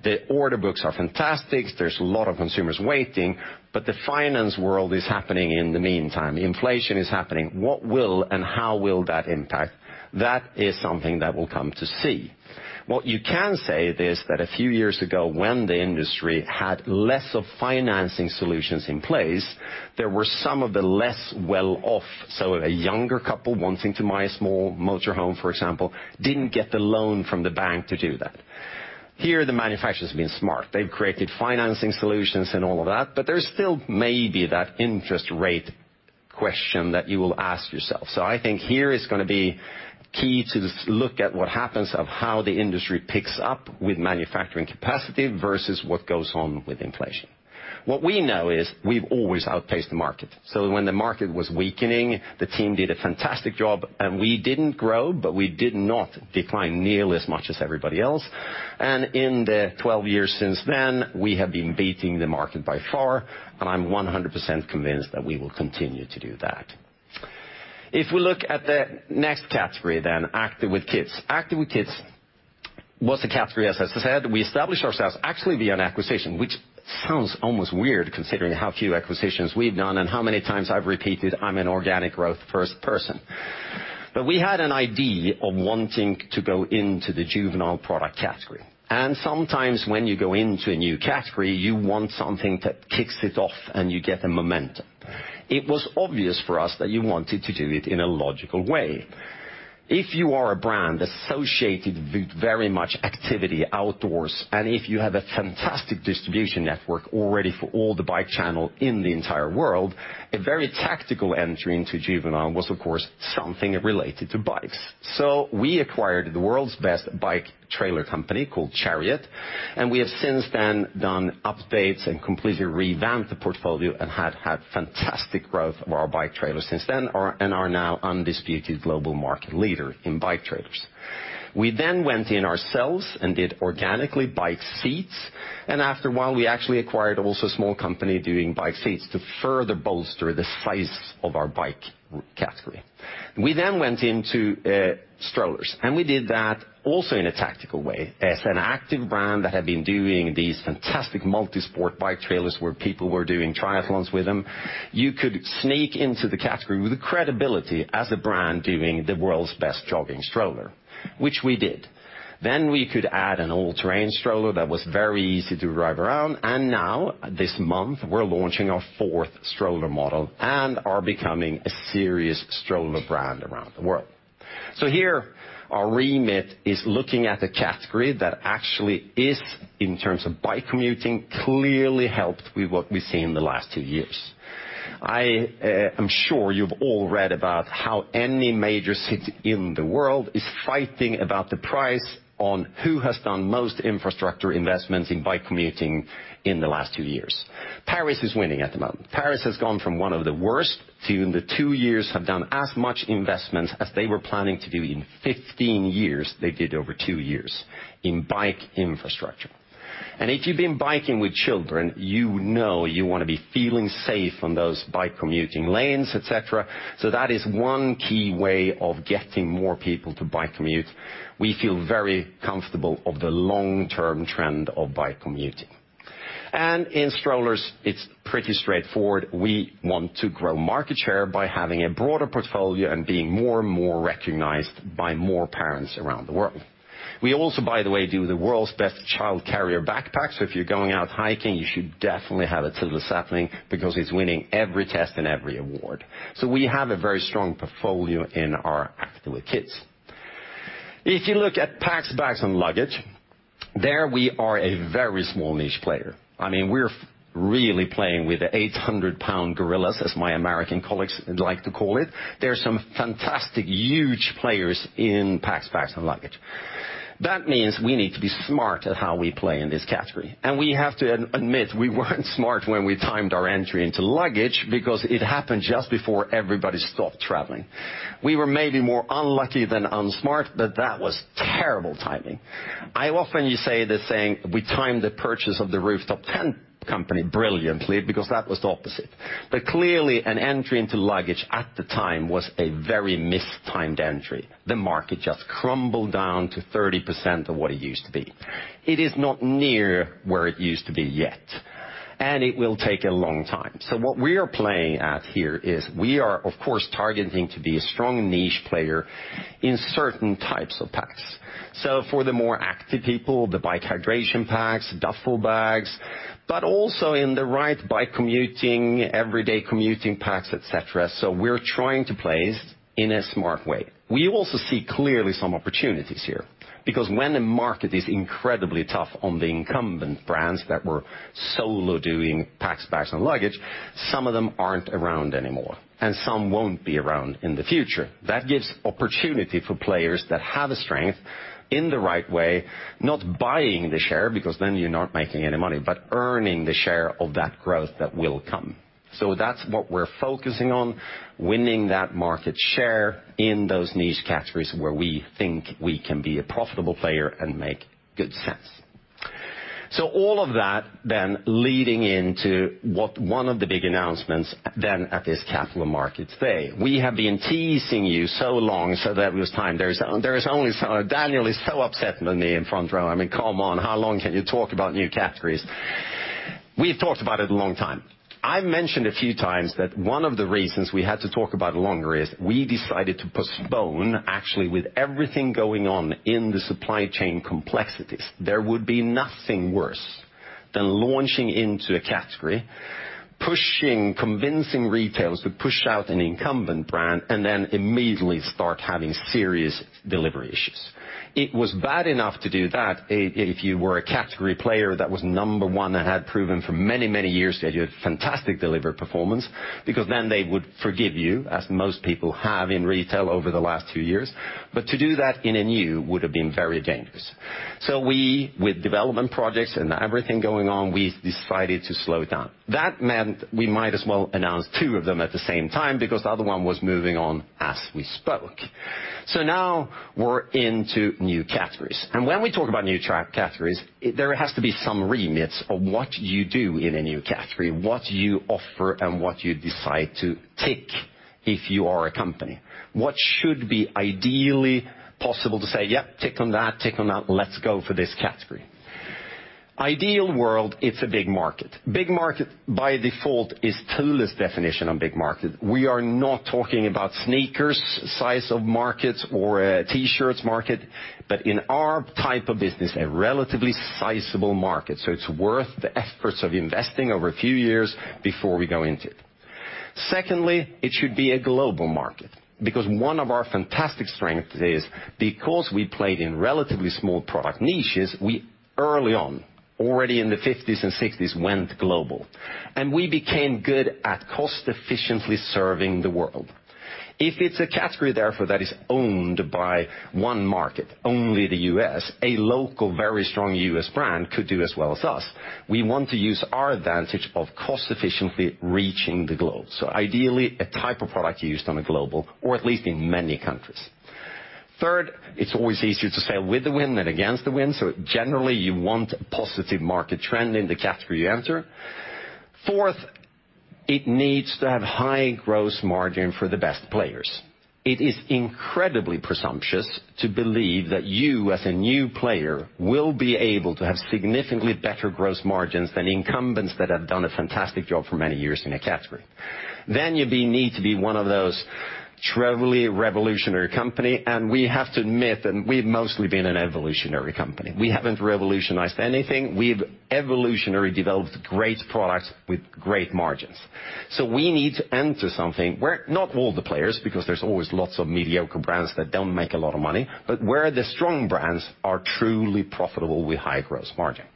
The order books are fantastic. There's a lot of consumers waiting, the finance world is happening in the meantime. Inflation is happening. What will and how will that impact? That is something that we'll come to see. What you can say is that a few years ago, when the industry had less of financing solutions in place, there were some of the less well off. A younger couple wanting to buy a small motor home, for example, didn't get the loan from the bank to do that. Here, the manufacturer's been smart. They've created financing solutions and all of that, but there's still maybe that interest rate question that you will ask yourself. I think here is gonna be key to look at what happens of how the industry picks up with manufacturing capacity versus what goes on with inflation. What we know is we've always outpaced the market. When the market was weakening, the team did a fantastic job and we didn't grow, but we did not decline nearly as much as everybody else. In the 12 years since then, we have been beating the market by far, and I'm 100% convinced that we will continue to do that. If we look at the next category then, Active with Kids. Active with Kids was the category, as I said, we established ourselves actually via an acquisition, which sounds almost weird considering how few acquisitions we've done and how many times I've repeated I'm an organic growth first person. We had an idea of wanting to go into the juvenile product category, and sometimes when you go into a new category, you want something that kicks it off and you get the momentum. It was obvious for us that you wanted to do it in a logical way. If you are a brand associated with very much activity outdoors, and if you have a fantastic distribution network already for all the bike channel in the entire world, a very tactical entry into juvenile was, of course, something related to bikes. We acquired the world's best bike trailer company called Chariot, and we have since then done updates and completely revamped the portfolio and have had fantastic growth of our bike trailer since then, and are now undisputed global market leader in bike trailers. We went in ourselves and did organically bike seats, and after a while, we actually acquired also a small company doing bike seats to further bolster the size of our bike category. We went into strollers, and we did that also in a tactical way. As an active brand that had been doing these fantastic multi-sport bike trailers where people were doing triathlons with them, you could sneak into the category with the credibility as a brand doing the world's best jogging stroller, which we did. We could add an all-terrain stroller that was very easy to drive around, and now this month, we're launching our fourth stroller model and are becoming a serious stroller brand around the world. Here our remit is looking at a category that actually is, in terms of bike commuting, clearly helped with what we've seen in the last two years. I am sure you've all read about how any major city in the world is fighting about the pride on who has done most infrastructure investments in bike commuting in the last two years. Paris is winning at the moment. Paris has gone from one of the worst to, in the two years, have done as much investments as they were planning to do in 15 years. They did over two years in bike infrastructure. If you've been biking with children, you know you wanna be feeling safe on those bike commuting lanes, et cetera. That is one key way of getting more people to bike commute. We feel very comfortable of the long-term trend of bike commuting. In strollers, it's pretty straightforward. We want to grow market share by having a broader portfolio and being more and more recognized by more parents around the world. We also, by the way, do the world's best child carrier backpacks. If you're going out hiking, you should definitely have a Thule Sapling because it's winning every test and every award. We have a very strong portfolio in our Active with Kids. If you look at Packs, Bags & Luggage, there we are a very small niche player. I mean, we're really playing with the 800-pound gorillas, as my American colleagues like to call it. There are some fantastic huge players in Packs, Bags & Luggage. That means we need to be smart at how we play in this category. We have to admit, we weren't smart when we timed our entry into luggage because it happened just before everybody stopped traveling. We were maybe more unlucky than unsmart, but that was terrible timing. I often say the saying, we timed the purchase of the rooftop tent company brilliantly because that was the opposite. Clearly, an entry into luggage at the time was a very mistimed entry. The market just crumbled down to 30% of what it used to be. It is not near where it used to be yet, and it will take a long time. What we are playing at here is we are, of course, targeting to be a strong niche player in certain types of packs. For the more active people, the bike hydration packs, duffel bags, but also in the right bike commuting, everyday commuting packs, et cetera. We're trying to place in a smart way. We also see clearly some opportunities here, because when the market is incredibly tough on the incumbent brands that were solo doing Packs, Bags & Luggage, some of them aren't around anymore, and some won't be around in the future. That gives opportunity for players that have a strength in the right way, not buying the share, because then you're not making any money, but earning the share of that growth that will come. That's what we're focusing on, winning that market share in those niche categories where we think we can be a profitable player and make good sense. All of that then leading into what one of the big announcements then at this Capital Markets Day. We have been teasing you so long, so that it was time. Daniel is so upset with me in front row. I mean, come on, how long can you talk about new categories? We've talked about it a long time. I mentioned a few times that one of the reasons we had to talk about it longer is we decided to postpone, actually, with everything going on in the supply chain complexities, there would be nothing worse than launching into a category, pushing, convincing retailers to push out an incumbent brand, and then immediately start having serious delivery issues. It was bad enough to do that if you were a category player that was number one that had proven for many, many years that you had fantastic delivery performance, because then they would forgive you, as most people have in retail over the last two years. To do that in a new would have been very dangerous. We, with development projects and everything going on, we decided to slow down. That meant we might as well announce two of them at the same time because the other one was moving on as we spoke. Now we're into new categories. When we talk about new categories, there has to be some remits of what you do in a new category, what you offer and what you decide to tick if you are a company. What should be ideally possible to say, "Yep, tick on that, tick on that, let's go for this category." In an ideal world, it's a big market. Big market by default is too loose definition on big market. We are not talking about sneakers size of markets or a T-shirts market, but in our type of business, a relatively sizable market. It's worth the efforts of investing over a few years before we go into it. Secondly, it should be a global market, because one of our fantastic strengths is because we played in relatively small product niches, we early on, already in the fifties and sixties, went global, and we became good at cost efficiently serving the world. If it's a category, therefore, that is owned by one market, only the U.S., a local, very strong U.S. brand could do as well as us. We want to use our advantage of cost efficiently reaching the globe. Ideally a type of product used on a global or at least in many countries. Third, it's always easier to sail with the wind than against the wind. Generally you want positive market trend in the category you enter. Fourth, it needs to have high gross margin for the best players. It is incredibly presumptuous to believe that you as a new player will be able to have significantly better gross margins than incumbents that have done a fantastic job for many years in a category. You need to be one of those truly revolutionary company, and we have to admit that we've mostly been an evolutionary company. We haven't revolutionized anything. We've evolutionary developed great products with great margins. We need to enter something where not all the players, because there's always lots of mediocre brands that don't make a lot of money, but where the strong brands are truly profitable with high gross margin.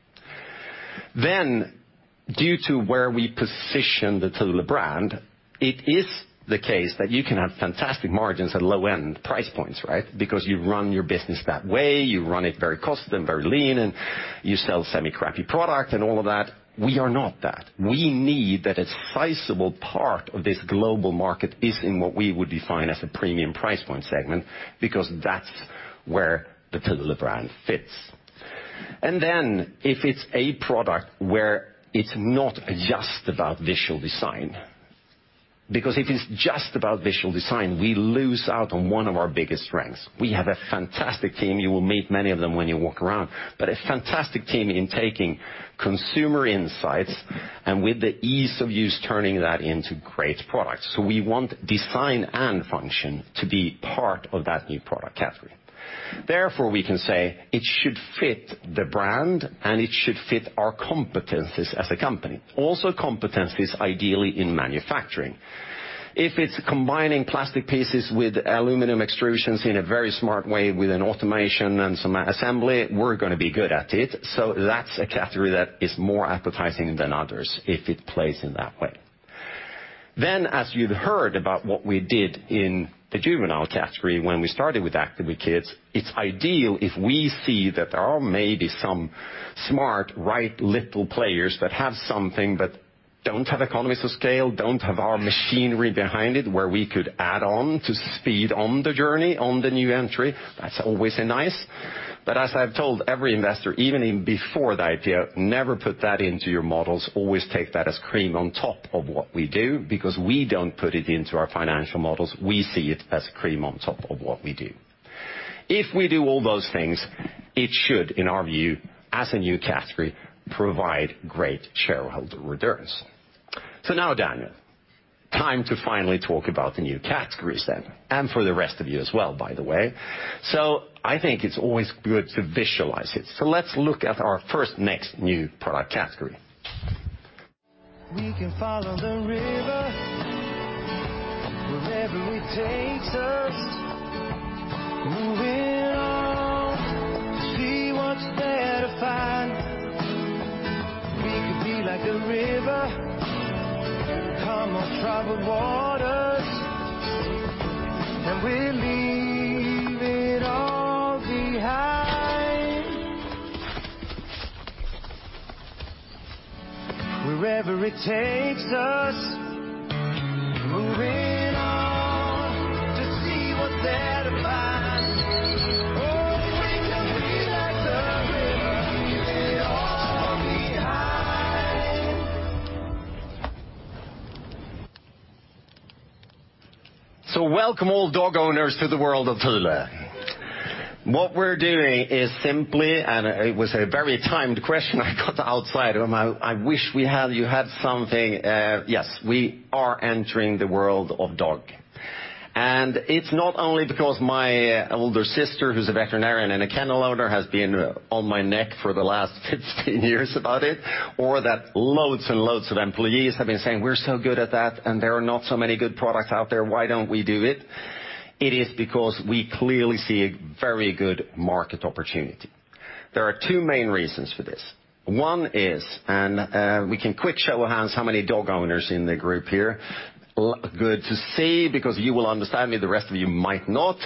Due to where we position the Thule brand, it is the case that you can have fantastic margins at low-end price points, right? Because you run your business that way, you run it very custom, very lean, and you sell semi-crappy product and all of that. We are not that. We need that a sizable part of this global market is in what we would define as a premium price point segment, because that's where the Thule brand fits. If it's a product where it's not just about visual design, because if it's just about visual design, we lose out on one of our biggest strengths. We have a fantastic team. You will meet many of them when you walk around. A fantastic team in taking consumer insights and with the ease of use, turning that into great products. We want design and function to be part of that new product category. Therefore, we can say it should fit the brand and it should fit our competencies as a company. Also competencies ideally in manufacturing. If it's combining plastic pieces with aluminum extrusions in a very smart way with an automation and some assembly, we're gonna be good at it. That's a category that is more appetizing than others if it plays in that way. As you've heard about what we did in the juvenile category when we started with Active with Kids, it's ideal if we see that there are maybe some smart, right little players that have something but don't have economies of scale, don't have our machinery behind it, where we could add on to speed on the journey, on the new entry. That's always a nice. As I've told every investor, even before the IPO, never put that into your models. Always take that as cream on top of what we do because we don't put it into our financial models. We see it as cream on top of what we do. If we do all those things, it should, in our view, as a new category, provide great shareholder returns. Now, Daniel, time to finally talk about the new categories then, and for the rest of you as well, by the way. I think it's always good to visualize it. Let's look at our first next new product category. We can follow the river wherever it takes us. Moving on to see what's there to find. We could be like a river, come on troubled waters, and we'll leave it all behind. Wherever it takes us. Moving on to see what's there to find. Oh, we could be like a river leave it all behind. Welcome all dog owners to the world of Thule. What we're doing is simply, and it was a very timely question I got outside. I wish we had you had something. Yes, we are entering the world of dogs. It's not only because my older sister, who's a veterinarian and a kennel owner, has been on my neck for the last 15 years about it, or that loads and loads of employees have been saying, "We're so good at that, and there are not so many good products out there. Why don't we do it?" It is because we clearly see a very good market opportunity. There are two main reasons for this. One is, we can quick show of hands how many dog owners in the group here. Good to see, because you will understand me, the rest of you might not.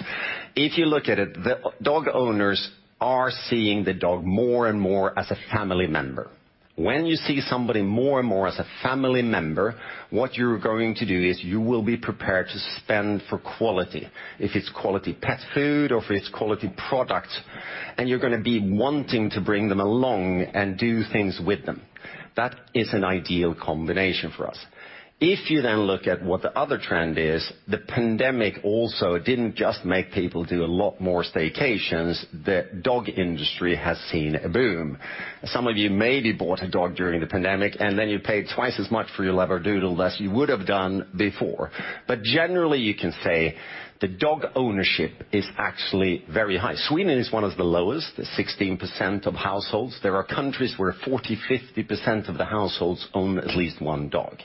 If you look at it, the dog owners are seeing the dog more and more as a family member. When you see somebody more and more as a family member, what you're going to do is you will be prepared to spend for quality, if it's quality pet food or if it's quality products, and you're gonna be wanting to bring them along and do things with them. That is an ideal combination for us. If you then look at what the other trend is, the pandemic also didn't just make people do a lot more staycations. The dog industry has seen a boom. Some of you maybe bought a dog during the pandemic, and then you paid twice as much for your Labradoodle as you would have done before. But generally, you can say the dog ownership is actually very high. Sweden is one of the lowest, at 16% of households. There are countries where 40%, 50% of the households own at least one dog.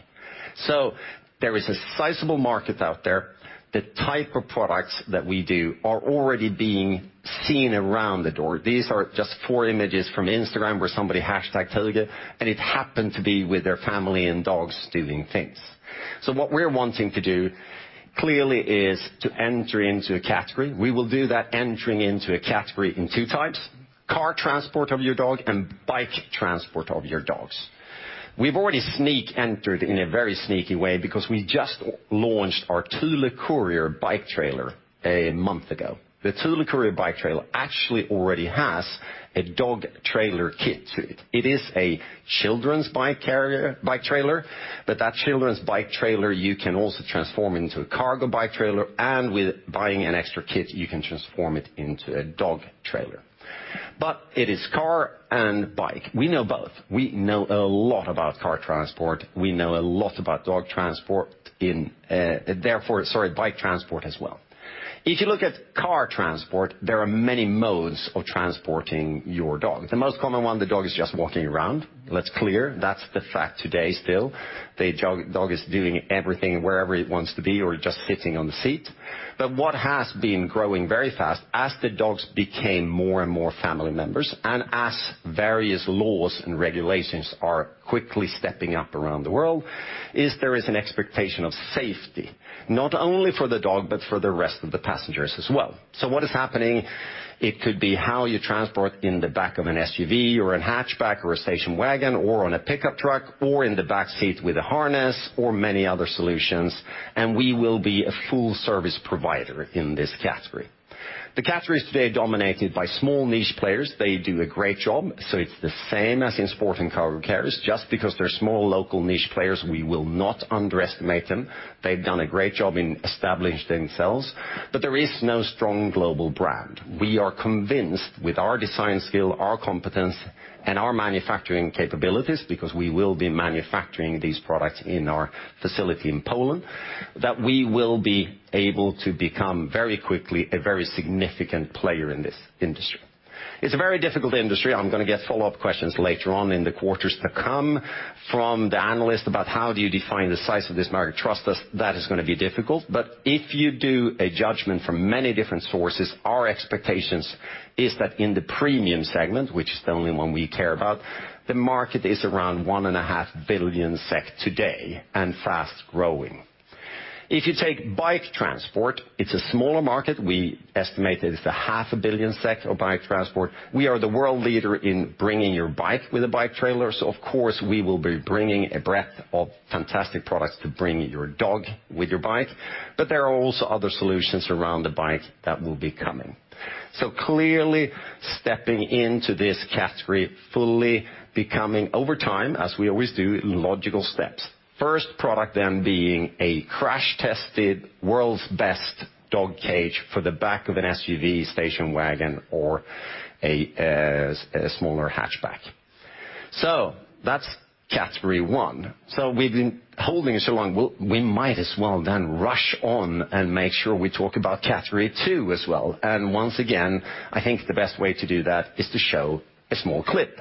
There is a sizable market out there. The type of products that we do are already being seen around the world. These are just four images from Instagram where somebody hashtagged Thule, and it happened to be with their family and dogs doing things. What we're wanting to do, clearly, is to enter into a category. We will do that entering into a category in two types: car transport of your dog and bike transport of your dogs. We've already sneak entered in a very sneaky way because we just launched our Thule Courier bike trailer a month ago. The Thule Courier bike trailer actually already has a dog trailer kit to it. It is a children's bike trailer, but that children's bike trailer, you can also transform into a cargo bike trailer, and with buying an extra kit, you can transform it into a dog trailer. It is car and bike. We know both. We know a lot about car transport. We know a lot about dog transport in bike transport as well. If you look at car transport, there are many modes of transporting your dog. The most common one, the dog is just walking around. That's clear. That's the fact today still. The dog is doing everything wherever it wants to be or just sitting on the seat. What has been growing very fast as the dogs became more and more family members and as various laws and regulations are quickly stepping up around the world is an expectation of safety, not only for the dog, but for the rest of the passengers as well. What is happening? It could be how you transport in the back of an SUV or a hatchback or a station wagon or on a pickup truck or in the back seat with a harness or many other solutions, and we will be a full service provider in this category. The category is today dominated by small niche players. They do a great job, so it's the same as in sport and cargo carriers. Just because they're small local niche players, we will not underestimate them. They've done a great job in establishing themselves, but there is no strong global brand. We are convinced with our design skill, our competence, and our manufacturing capabilities, because we will be manufacturing these products in our facility in Poland, that we will be able to become very quickly a very significant player in this industry. It's a very difficult industry. I'm going to get follow-up questions later on in the quarters to come from the analyst about how do you define the size of this market. Trust us, that is going to be difficult. If you do a judgment from many different sources, our expectations is that in the premium segment, which is the only one we care about, the market is around 1.5 billion SEK today and fast-growing. If you take bike transport, it's a smaller market. We estimate that it's half a billion SEK of bike transport. We are the world leader in bringing your bike with a bike trailer, so of course, we will be bringing a breadth of fantastic products to bring your dog with your bike. There are also other solutions around the bike that will be coming. Clearly stepping into this category, fully becoming over time, as we always do, in logical steps. First product then being a crash-tested world's best dog cage for the back of an SUV, station wagon, or a smaller hatchback. That's category one. We've been holding it so long, we'll, we might as well then rush on and make sure we talk about category two as well. Once again, I think the best way to do that is to show a small clip.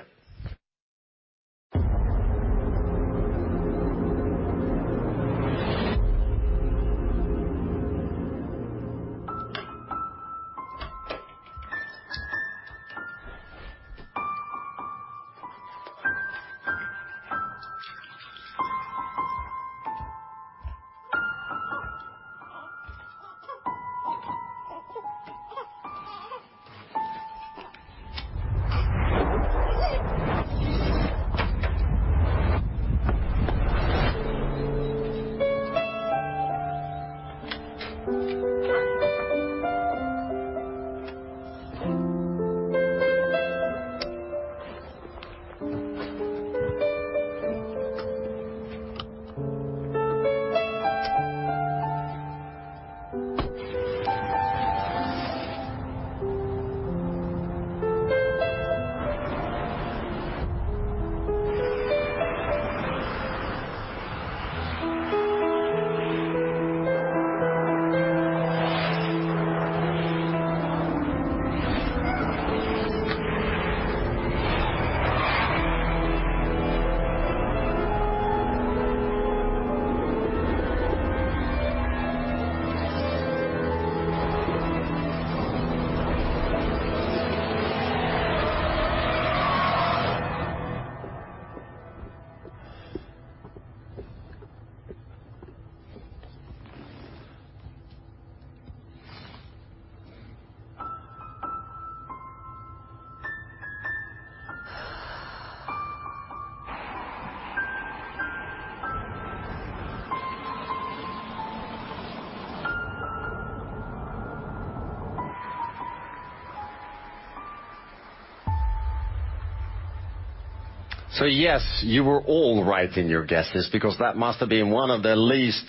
Yes, you were all right in your guesses because that must have been one of the least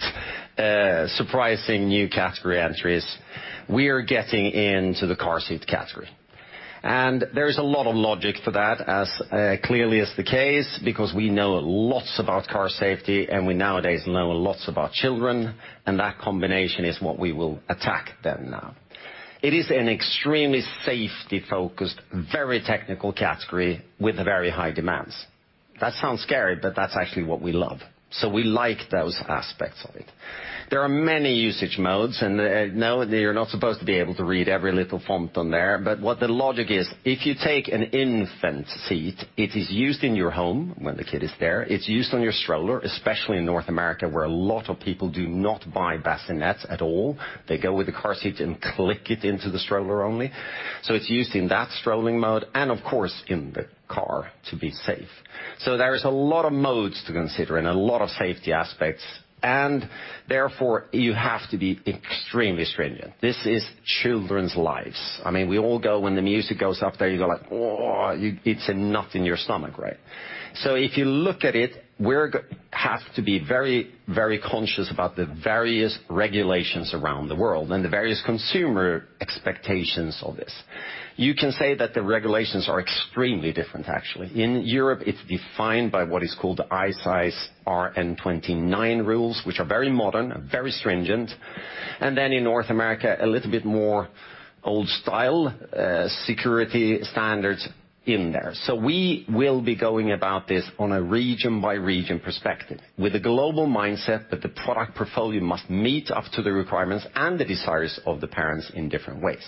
surprising new category entries. We are getting into the car seat category. There is a lot of logic for that as clearly is the case, because we know lots about car safety, and we nowadays know lots about children, and that combination is what we will attack then now. It is an extremely safety-focused, very technical category with very high demands. That sounds scary, but that's actually what we love. We like those aspects of it. There are many usage modes, and no, you're not supposed to be able to read every little font on there. What the logic is, if you take an infant seat, it is used in your home when the kid is there. It's used on your stroller, especially in North America, where a lot of people do not buy bassinets at all. They go with the car seat and click it into the stroller only. It's used in that strolling mode and of course, in the car to be safe. There is a lot of modes to consider and a lot of safety aspects, and therefore you have to be extremely stringent. This is children's lives. I mean, we all go. When the music goes up there, you go like, "Oh," it's a knot in your stomach, right? If you look at it, we have to be very, very conscious about the various regulations around the world and the various consumer expectations of this. You can say that the regulations are extremely different, actually. In Europe, it's defined by what is called the i-Size R129 rules, which are very modern and very stringent. In North America, a little bit more old style, security standards in there. We will be going about this on a region by region perspective with a global mindset that the product portfolio must meet up to the requirements and the desires of the parents in different ways.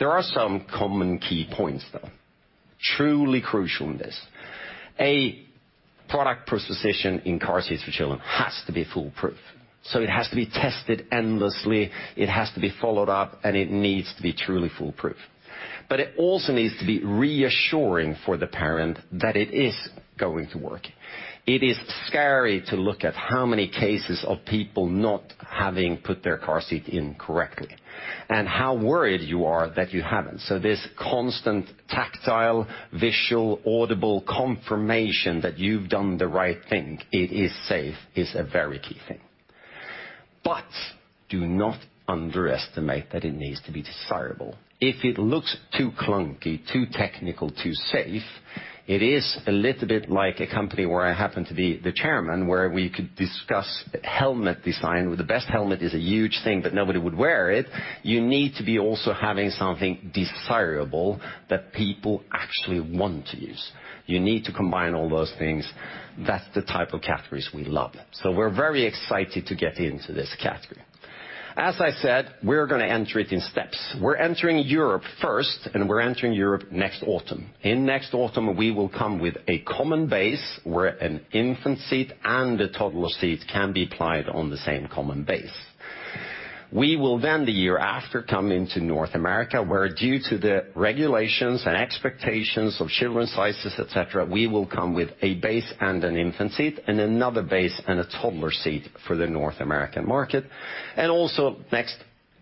There are some common key points, though, truly crucial in this. A product proposition in car seats for children has to be foolproof. It has to be tested endlessly, it has to be followed up, and it needs to be truly foolproof. It also needs to be reassuring for the parent that it is going to work. It is scary to look at how many cases of people not having put their car seat in correctly and how worried you are that you haven't. This constant tactile, visual, audible confirmation that you've done the right thing, it is safe, is a very key thing. Do not underestimate that it needs to be desirable. If it looks too clunky, too technical, too safe, it is a little bit like a company where I happen to be the chairman, where we could discuss helmet design, where the best helmet is a huge thing, but nobody would wear it. You need to be also having something desirable that people actually want to use. You need to combine all those things. That's the type of categories we love. We're very excited to get into this category. As I said, we're gonna enter it in steps. We're entering Europe first, and we're entering Europe next autumn. In next autumn, we will come with a common base where an infant seat and a toddler seat can be applied on the same common base. We will then, the year after, come into North America, where due to the regulations and expectations of children's sizes, et cetera, we will come with a base and an infant seat and another base and a toddler seat for the North American market. Also next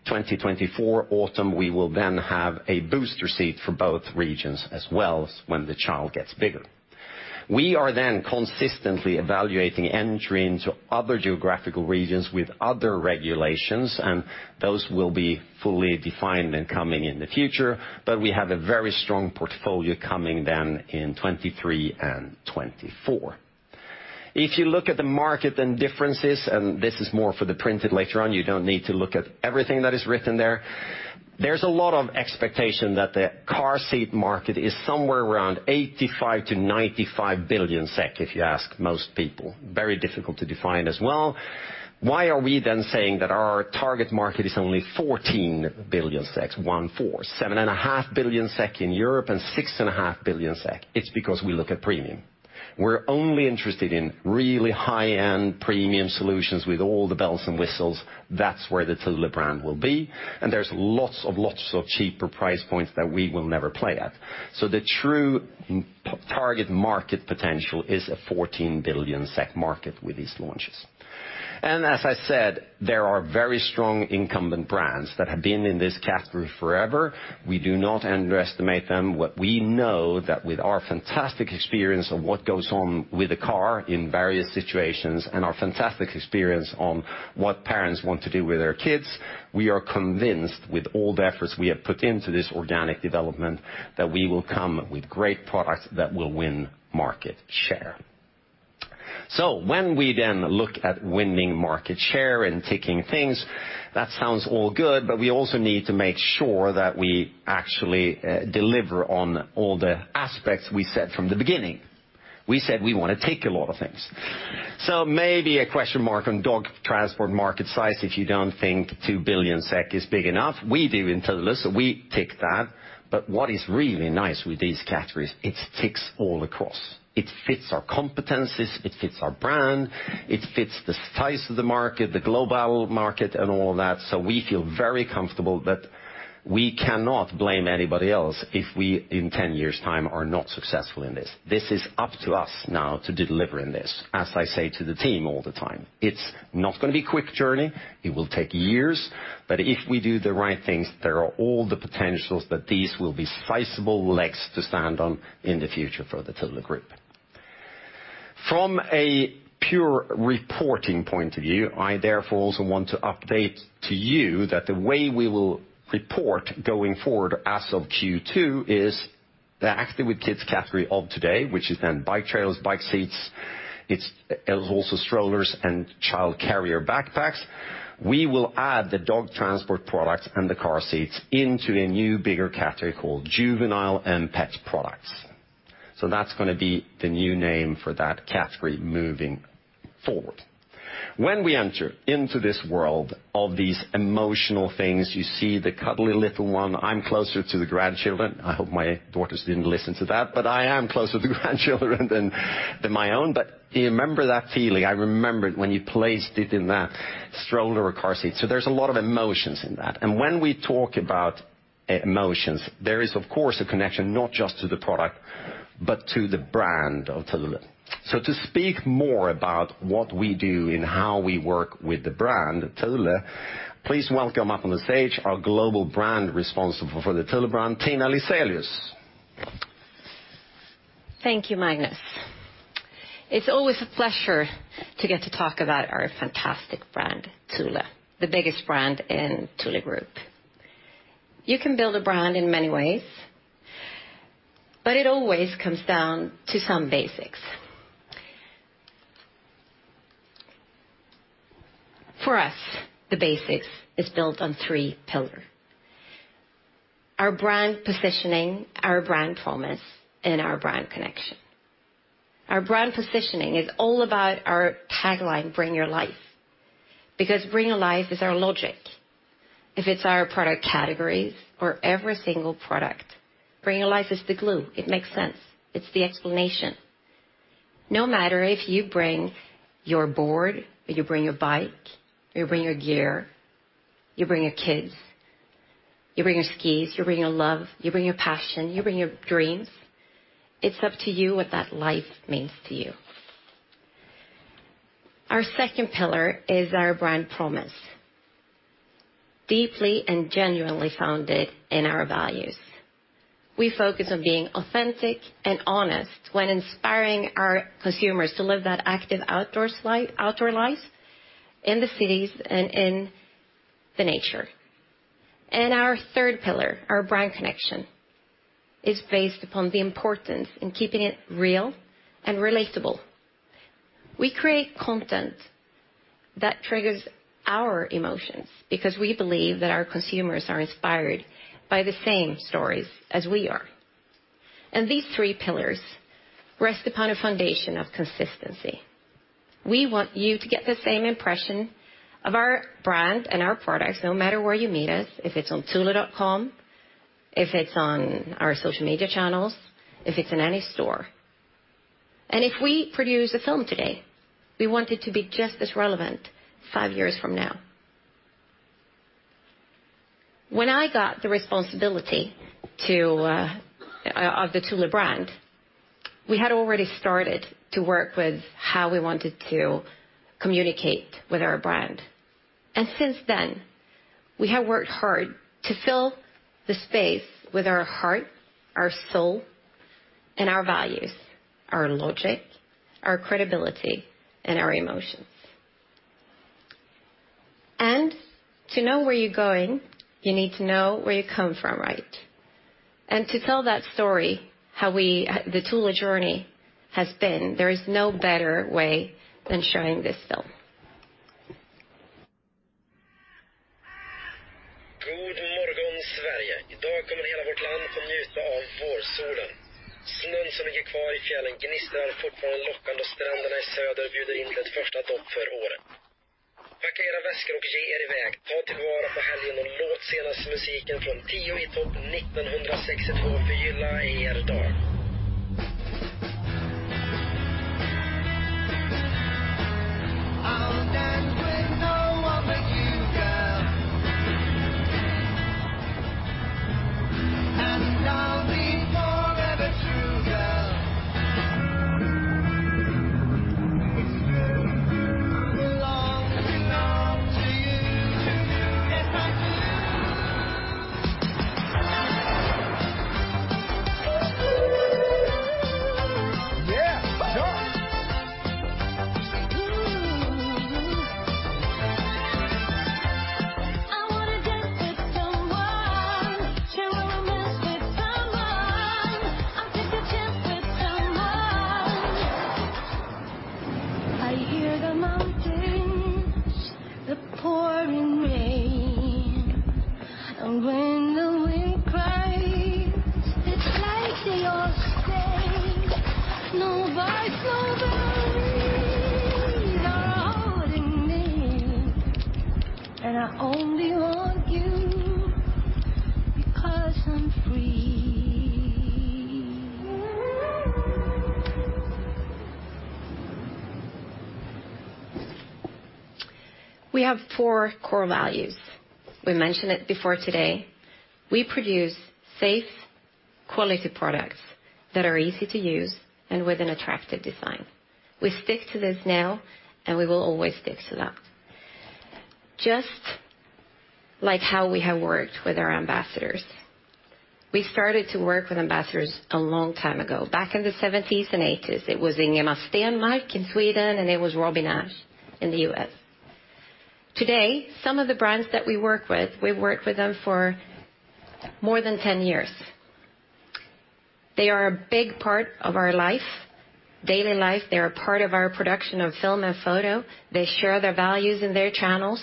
2024 autumn, we will then have a booster seat for both regions as well when the child gets bigger. We are then consistently evaluating entry into other geographical regions with other regulations, and those will be fully defined and coming in the future. We have a very strong portfolio coming then in 2023 and 2024. If you look at the market and differences, and this is more for the printed later on, you don't need to look at everything that is written there. There's a lot of expectation that the car seat market is somewhere around 85 billion-95 billion SEK, if you ask most people. Very difficult to define as well. Why are we then saying that our target market is only 14 billion SEK? Seven and a half billion SEK in Europe and six and a half billion SEK. It's because we look at premium. We're only interested in really high-end premium solutions with all the bells and whistles. That's where the Thule brand will be. There's lots of cheaper price points that we will never play at. The true target market potential is a 14 billion SEK market with these launches. As I said, there are very strong incumbent brands that have been in this category forever. We do not underestimate them. What we know that with our fantastic experience of what goes on with a car in various situations and our fantastic experience on what parents want to do with their kids, we are convinced with all the efforts we have put into this organic development that we will come with great products that will win market share. When we then look at winning market share and ticking things, that sounds all good, but we also need to make sure that we actually deliver on all the aspects we set from the beginning. We said we wanna tick a lot of things. Maybe a question mark on dog transport market size, if you don't think 2 billion SEK is big enough. We do in Thule, so we tick that. What is really nice with these categories, it ticks all across. It fits our competencies, it fits our brand, it fits the size of the market, the global market and all that. We feel very comfortable that we cannot blame anybody else if we, in 10 years time, are not successful in this. This is up to us now to deliver in this. As I say to the team all the time, it's not gonna be quick journey. It will take years. If we do the right things, there are all the potentials that these will be sizable legs to stand on in the future for the Thule Group. From a pure reporting point of view, I therefore also want to update to you that the way we will report going forward as of Q2 is that actually with kids category of today, which is then bike trailers, bike seats. It was also strollers and child carrier backpacks. We will add the dog transport product and the car seats into a new bigger category called Juvenile & Pet Products. That's gonna be the new name for that category moving forward. When we enter into this world of these emotional things, you see the cuddly little one. I'm closer to the grandchildren. I hope my daughters didn't listen to that, but I am closer to the grandchildren than my own. You remember that feeling. I remember when you placed it in that stroller or car seat. There's a lot of emotions in that. When we talk about emotions, there is, of course, a connection not just to the product but to the brand of Thule. To speak more about what we do and how we work with the brand, Thule, please welcome up on the stage our global brand responsible for the Thule brand, Tina Liselius. Thank you, Magnus. It's always a pleasure to get to talk about our fantastic brand, Thule, the biggest brand in Thule Group. You can build a brand in many ways, but it always comes down to some basics. For us, the basics is built on three pillars. Our brand positioning, our brand promise, and our brand connection. Our brand positioning is all about our tagline, Bring Your Life. Because Bring Your Life is our logic. If it's our product categories or every single product, Bring Your Life is the glue. It makes sense. It's the explanation. No matter if you bring your board, or you bring your bike, or you bring your gear, you bring your kids, you bring your skis, you bring your love, you bring your passion, you bring your dreams. It's up to you what that life means to you. Our second pillar is our brand promise, deeply and genuinely founded in our values. We focus on being authentic and honest when inspiring our consumers to live that active outdoor life in the cities and in the nature. Our third pillar, our brand connection, is based upon the importance in keeping it real and relatable. We create content that triggers our emotions because we believe that our consumers are inspired by the same stories as we are. These three pillars rest upon a foundation of consistency. We want you to get the same impression of our brand and our products, no matter where you meet us, if it's on thule.com, if it's on our social media channels, if it's in any store. If we produce a film today, we want it to be just as relevant five years from now. When I got the responsibility to of the Thule brand, we had already started to work with how we wanted to communicate with our brand. Since then, we have worked hard to fill the space with our heart, our soul, and our values, our logic, our credibility, and our emotions. To know where you're going, you need to know where you come from, right? To tell that story, how we the Thule journey has been, there is no better way than showing this film. We have four core values. We mentioned it before today. We produce safe, quality products that are easy to use and with an attractive design. We stick to this now, and we will always stick to that. Just like how we have worked with our ambassadors. We started to work with ambassadors a long time ago, back in the seventies and eighties. It was Ingemar Stenmark in Sweden, and it was Robin Esch in the US. Today, some of the brands that we work with, we've worked with them for more than 10 years. They are a big part of our life, daily life. They are part of our production of film and photo. They share their values in their channels.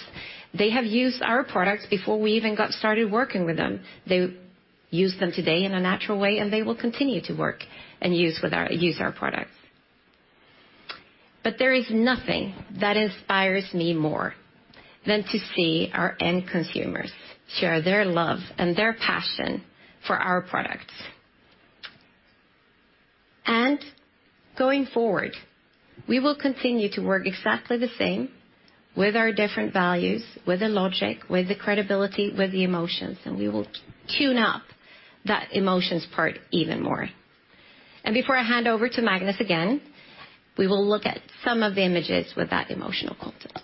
They have used our products before we even got started working with them. They use them today in a natural way, and they will continue to work and use our products. But there is nothing that inspires me more than to see our end consumers share their love and their passion for our products. Going forward, we will continue to work exactly the same with our different values, with the logic, with the credibility, with the emotions, and we will tune up that emotions part even more. Before I hand over to Magnus again, we will look at some of the images with that emotional content.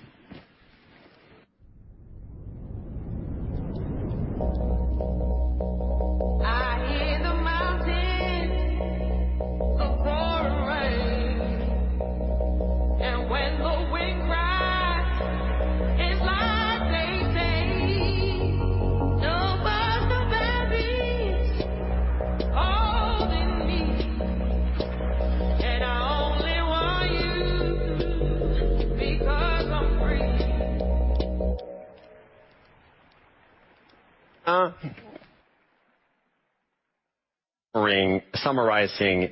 I hear the mountains a-callin' rain. When the wind cries, it's like they say. Don't bust no babies holding me. I only want you because I'm free. Summarizing,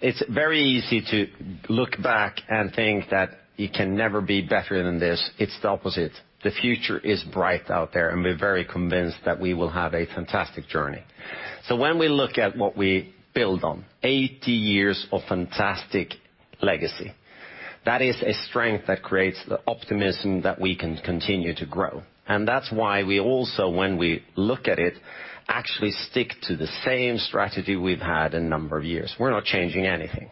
it's very easy to look back and think that it can never be better than this. It's the opposite. The future is bright out there, and we're very convinced that we will have a fantastic journey. When we look at what we build on, 80 years of fantastic legacy. That is a strength that creates the optimism that we can continue to grow. That's why we also, when we look at it, actually stick to the same strategy we've had a number of years. We're not changing anything.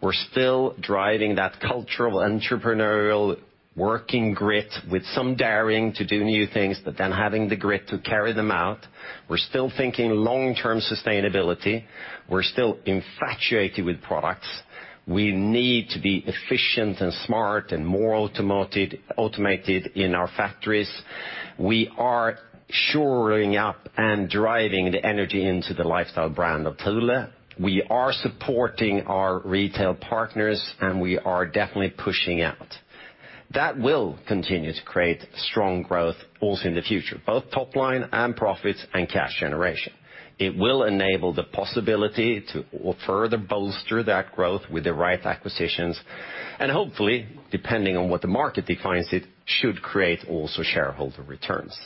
We're still driving that cultural, entrepreneurial, working grit with some daring to do new things, but then having the grit to carry them out. We're still thinking long-term sustainability. We're still infatuated with products. We need to be efficient and smart and more automated in our factories. We are shoring up and driving the energy into the lifestyle brand of Thule. We are supporting our retail partners, and we are definitely pushing out. That will continue to create strong growth also in the future, both top line and profits and cash generation. It will enable the possibility to further bolster that growth with the right acquisitions, and hopefully, depending on what the market defines it, should create also shareholder returns.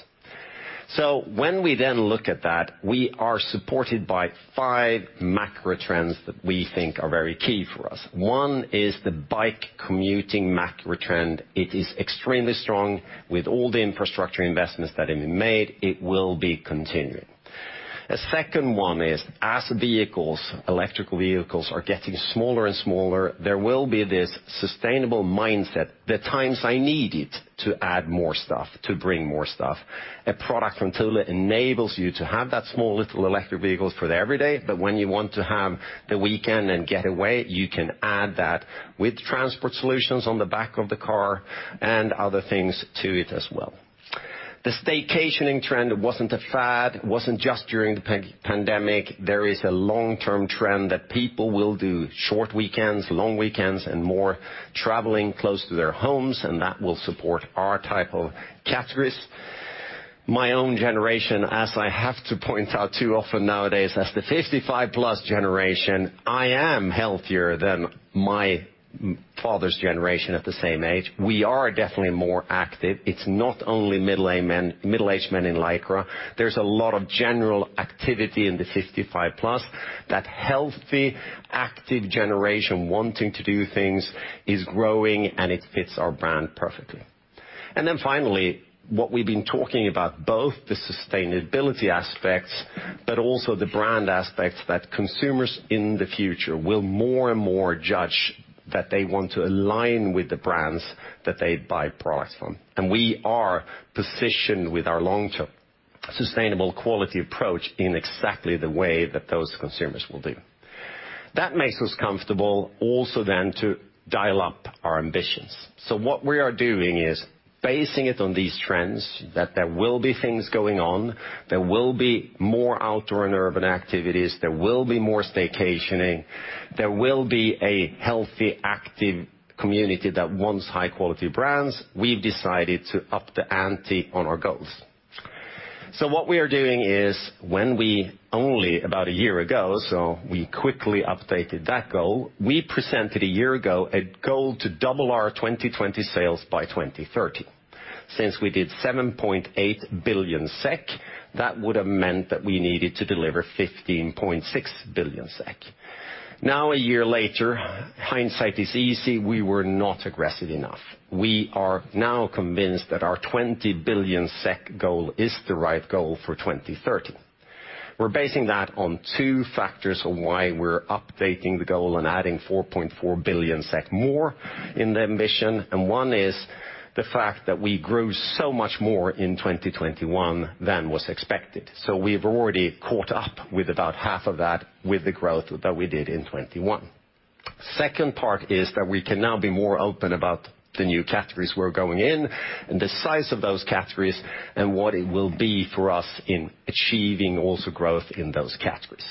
When we then look at that, we are supported by five macro trends that we think are very key for us. One is the bike commuting macro trend. It is extremely strong. With all the infrastructure investments that have been made, it will be continuing. A second one is as vehicles, electric vehicles are getting smaller and smaller, there will be this sustainable mindset. The times I need it to add more stuff, to bring more stuff. A product from Thule enables you to have that small little electric vehicle for the everyday. When you want to have the weekend and get away, you can add that with transport solutions on the back of the car and other things to it as well. The staycationing trend wasn't a fad, wasn't just during the pandemic. There is a long-term trend that people will do short weekends, long weekends, and more traveling close to their homes, and that will support our type of categories. My own generation, as I have to point out too often nowadays, as the 55-plus generation, I am healthier than my father's generation at the same age. We are definitely more active. It's not only middle-aged men in Lycra. There's a lot of general activity in the 55-plus. That healthy, active generation wanting to do things is growing, and it fits our brand perfectly. Then finally, what we've been talking about, both the sustainability aspects, but also the brand aspects that consumers in the future will more and more judge that they want to align with the brands that they buy products from. We are positioned with our long-term sustainable quality approach in exactly the way that those consumers will do. That makes us comfortable also then to dial up our ambitions. What we are doing is basing it on these trends, that there will be things going on, there will be more outdoor and urban activities, there will be more staycationing, there will be a healthy, active community that wants high-quality brands. We've decided to up the ante on our goals. We quickly updated that goal. We presented a year ago a goal to double our 2020 sales by 2030. Since we did 7.8 billion SEK, that would have meant that we needed to deliver 15.6 billion SEK. Now, a year later, hindsight is easy. We were not aggressive enough. We are now convinced that our 20 billion SEK goal is the right goal for 2030. We're basing that on two factors why we're updating the goal and adding 4.4 billion SEK more in the ambition, and one is the fact that we grew so much more in 2021 than was expected. We've already caught up with about half of that with the growth that we did in 2021. Second part is that we can now be more open about the new categories we're going in and the size of those categories and what it will be for us in achieving also growth in those categories.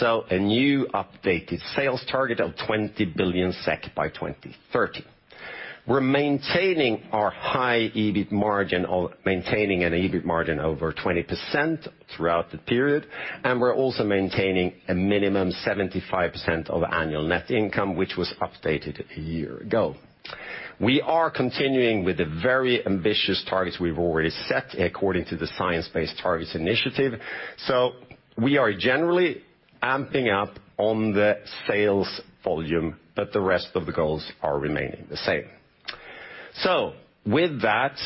A new updated sales target of 20 billion SEK by 2030. We're maintaining an EBIT margin over 20% throughout the period, and we're also maintaining a minimum 75% of annual net income, which was updated a year ago. We are continuing with the very ambitious targets we've already set according to the science-based targets initiative. We are generally amping up on the sales volume, but the rest of the goals are remaining the same. With that,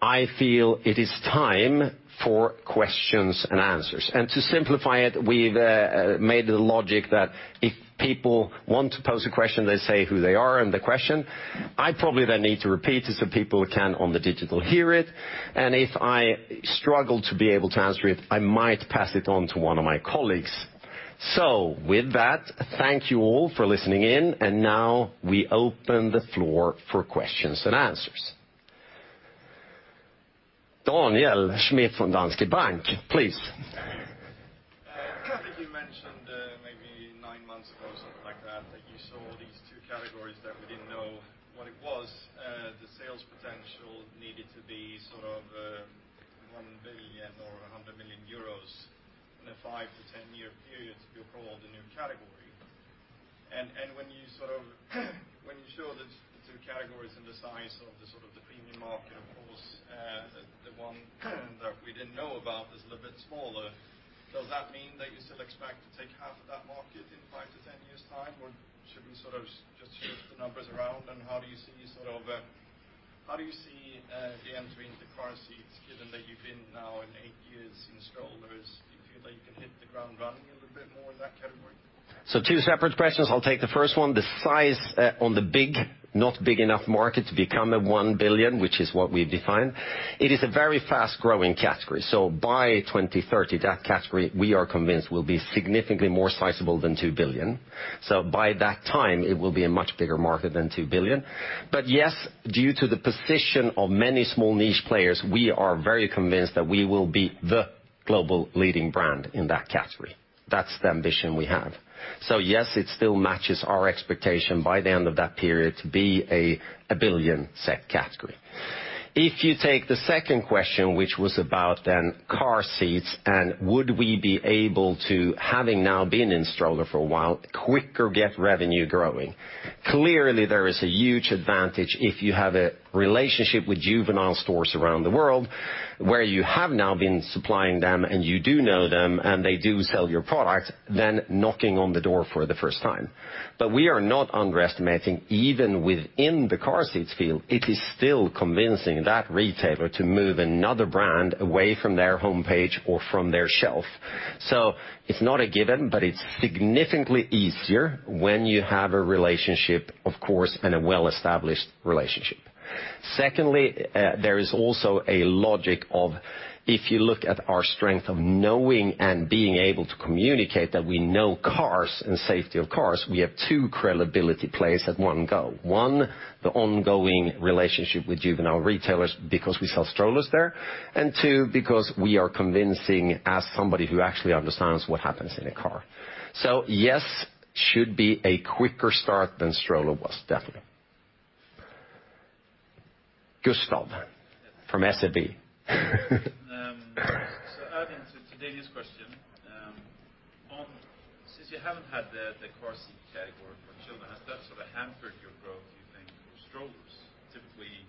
I feel it is time for questions and answers. To simplify it, we've made the logic that if people want to pose a question, they say who they are and the question. I probably then need to repeat it so people can, on the digital, hear it. If I struggle to be able to answer it, I might pass it on to one of my colleagues. With that, thank you all for listening in. Now we open the floor for questions and answers. Daniel Schmidt from Danske Bank, please. I think you mentioned, maybe nine months ago or something like that you saw these two categories that we didn't know what it was, the sales potential needed to be sort of, 1 billion or 100 million euros in a five to ten-year period to be called a new category. When you show the two categories and the size of the sort of the premium market, of course, the one that we didn't know about is a little bit smaller. Does that mean that you still expect to take half of that market in five to ten years' time, or should we sort of just shift the numbers around? How do you see the entry into car seats, given that you've been now in eight years in strollers? Do you feel that you can hit the ground running a little bit more in that category? Two separate questions. I'll take the first one. The size of the market is not big enough to become a 1 billion, which is what we've defined. It is a very fast-growing category. By 2030, that category, we are convinced, will be significantly more sizable than 2 billion. By that time, it will be a much bigger market than 2 billion. But yes, due to the position of many small niche players, we are very convinced that we will be the global leading brand in that category. That's the ambition we have. Yes, it still matches our expectation by the end of that period to be a 1 billion category. If you take the second question, which was about then car seats, and would we be able to, having now been in stroller for a while, quicker get revenue growing? Clearly, there is a huge advantage if you have a relationship with juvenile stores around the world where you have now been supplying them and you do know them and they do sell your product, than knocking on the door for the first time. We are not underestimating, even within the car seats field, it is still convincing the retailer to move another brand away from their homepage or from their shelf. It's not a given, but it's significantly easier when you have a relationship, of course, and a well-established relationship. Secondly, there is also a logic of if you look at our strength of knowing and being able to communicate that we know cars and safety of cars, we have two credibility plays at one go. One, the ongoing relationship with juvenile retailers because we sell strollers there, and two, because we are convincing as somebody who actually understands what happens in a car. Yes, should be a quicker start than stroller was, definitely. Adding to Daniel Schmidt's question, since you haven't had the car seat category for children, has that sort of hampered your growth, you think, for strollers? Typically,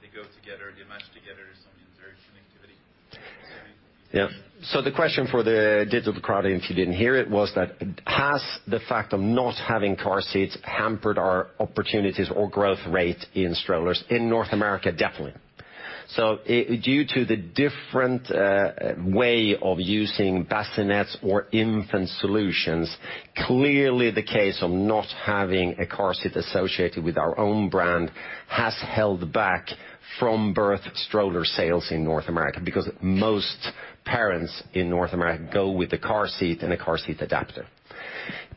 they go together, they match together, so I mean, there's connectivity. The question for the digital crowd, if you didn't hear it, was that has the fact of not having car seats hampered our opportunities or growth rate in strollers? In North America, definitely. Due to the different way of using bassinets or infant solutions, clearly the case of not having a car seat associated with our own brand has held back from birth stroller sales in North America because most parents in North America go with a car seat and a car seat adapter.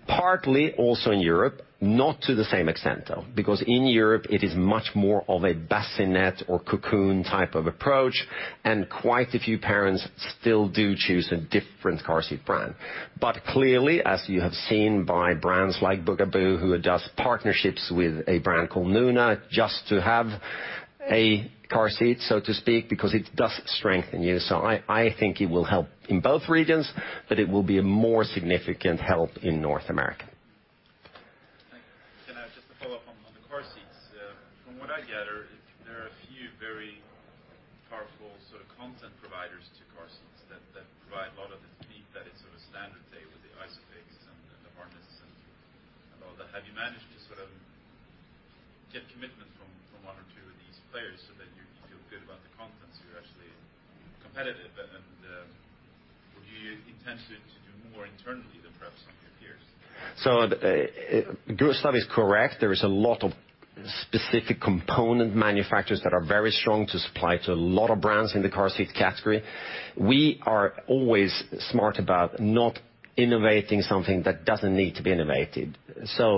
Partly also in Europe, not to the same extent, though, because in Europe, it is much more of a bassinet or cocoon type of approach, and quite a few parents still do choose a different car seat brand. Clearly, as you have seen by brands like Bugaboo, who does partnerships with a brand called Nuna, just to have a car seat, so to speak, because it does strengthen you. I think it will help in both regions, but it will be a more significant help in North America. innovating something that doesn't need to be innovated.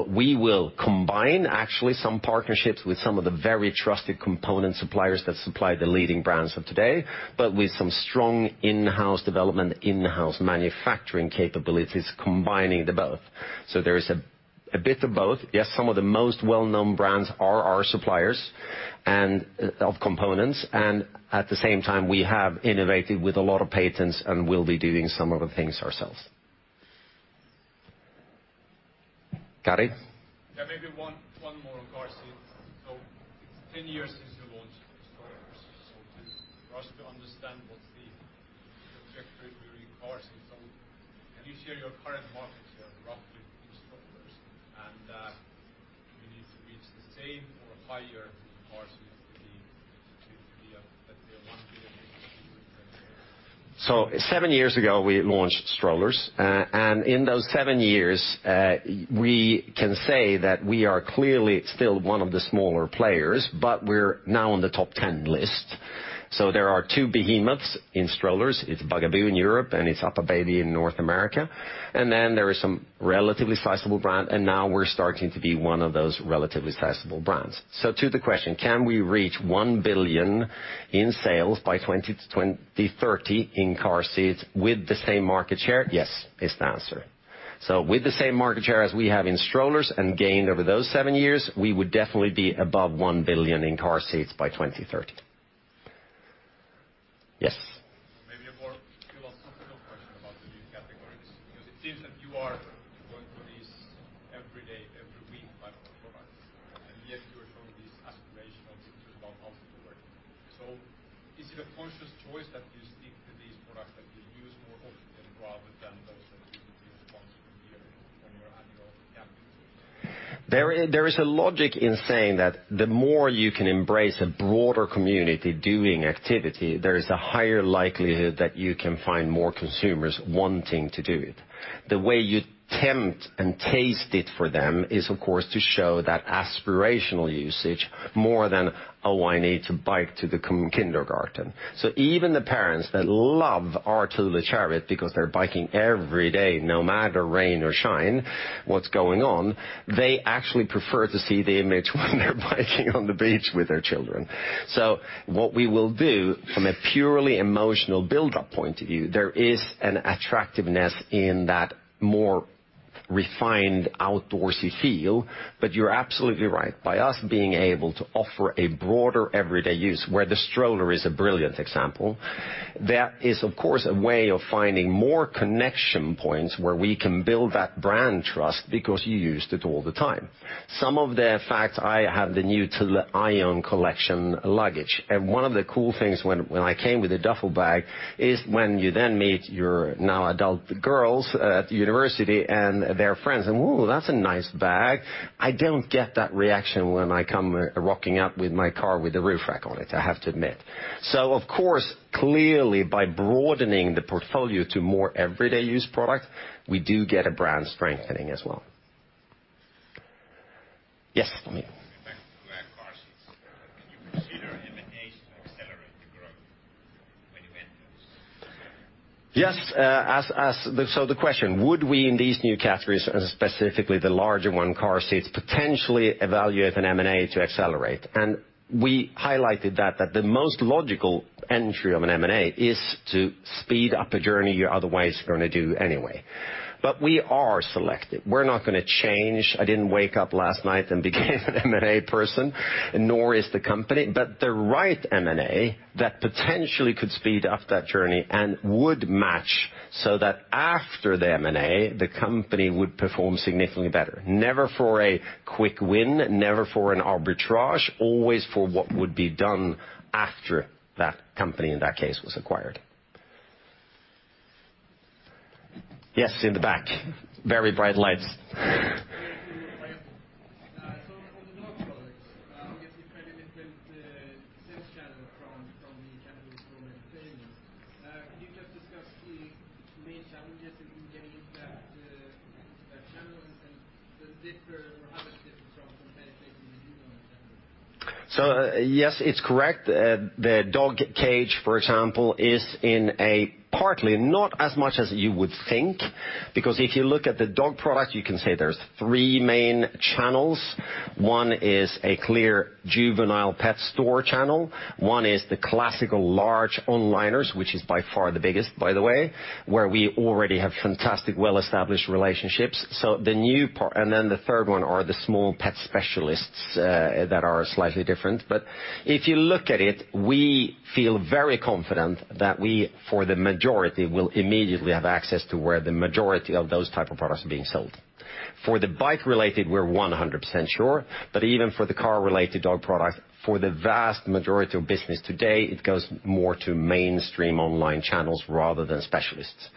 We will combine actually some partnerships with some of the very trusted component suppliers that supply the leading brands of today, but with some strong in-house development, in-house manufacturing capabilities, combining the both. There is a bit of both. Yes, some of the most well-known brands are our suppliers and of components, and at the same time we have innovated with a lot of patents and will be doing some of the things ourselves. Kari? Yeah, maybe one more on car seats. It's 10 years since you launched strollers. For us to understand what's the trajectory during car seats, can you share your current market share roughly in strollers, and you need to reach the same or higher in car seats to be at the 1 billion Seven years ago, we launched strollers. In those seven years, we can say that we are clearly still one of the smaller players, but we're now on the top 10 list. There are two behemoths in strollers. It's Bugaboo in Europe, and it's UPPAbaby in North America. Then there is some relatively sizable brand, and now we're starting to be one of those relatively sizable brands. To the question, can we reach 1 billion in sales by 2030 in car seats with the same market share? Yes, is the answer. With the same market share as we have in strollers and gained over those seven years, we would definitely be above 1 billion in car seats by 2030. Yes. you tempt and taste it for them is of course to show that aspirational usage more than, "Oh, I need to bike to the kindergarten." Even the parents that love our Thule Chariot because they're biking every day, no matter rain or shine, what's going on, they actually prefer to see the image when they're biking on the beach with their children. What we will do from a purely emotional build-up point of view, there is an attractiveness in that more refined outdoorsy feel. You're absolutely right. By us being able to offer a broader everyday use, where the stroller is a brilliant example, that is of course a way of finding more connection points where we can build that brand trust because you used it all the time. Some of the facts, I have the new Thule Aion collection luggage, and one of the cool things when I came with a duffel bag is when you then meet your now adult girls at university and their friends and, "Ooh, that's a nice bag." I don't get that reaction when I come rocking up with my car with a roof rack on it, I have to admit. Of course, clearly by broadening the portfolio to more everyday use product, we do get a brand strengthening as well. Yes. Back to car seats. Can you consider M&A to accelerate the growth when you enter those categories? Yes. The question, would we in these new categories, and specifically the larger one, car seats, potentially evaluate an M&A to accelerate? We highlighted that the most logical entry of an M&A is to speed up a journey you're otherwise gonna do anyway. We are selective. We're not gonna change. I didn't wake up last night and became an M&A person, nor is the company. The right M&A that potentially could speed up that journey and would match so that after the M&A, the company would perform significantly better. Never for a quick win, never for an arbitrage, always for what would be done after that company in that case was acquired. Yes, in the back. Very bright lights. From the dog products, it's a very different sales channel from the category you normally play in. Could you just discuss the main challenges in getting into that channel and or how it's different from the categories that you know and have been in? Yes, it's correct. The dog cage, for example, is in a partly not as much as you would think, because if you look at the dog product, you can say there's three main channels. One is a clear juvenile pet store channel, one is the classical large onliners, which is by far the biggest, by the way, where we already have fantastic, well-established relationships. The third one are the small pet specialists, that are slightly different. If you look at it, we feel very confident that we, for the majority, will immediately have access to where the majority of those type of products are being sold. For the bike-related, we're 100% sure, but even for the car-related dog product, for the vast majority of business today, it goes more to mainstream online channels rather than specialists.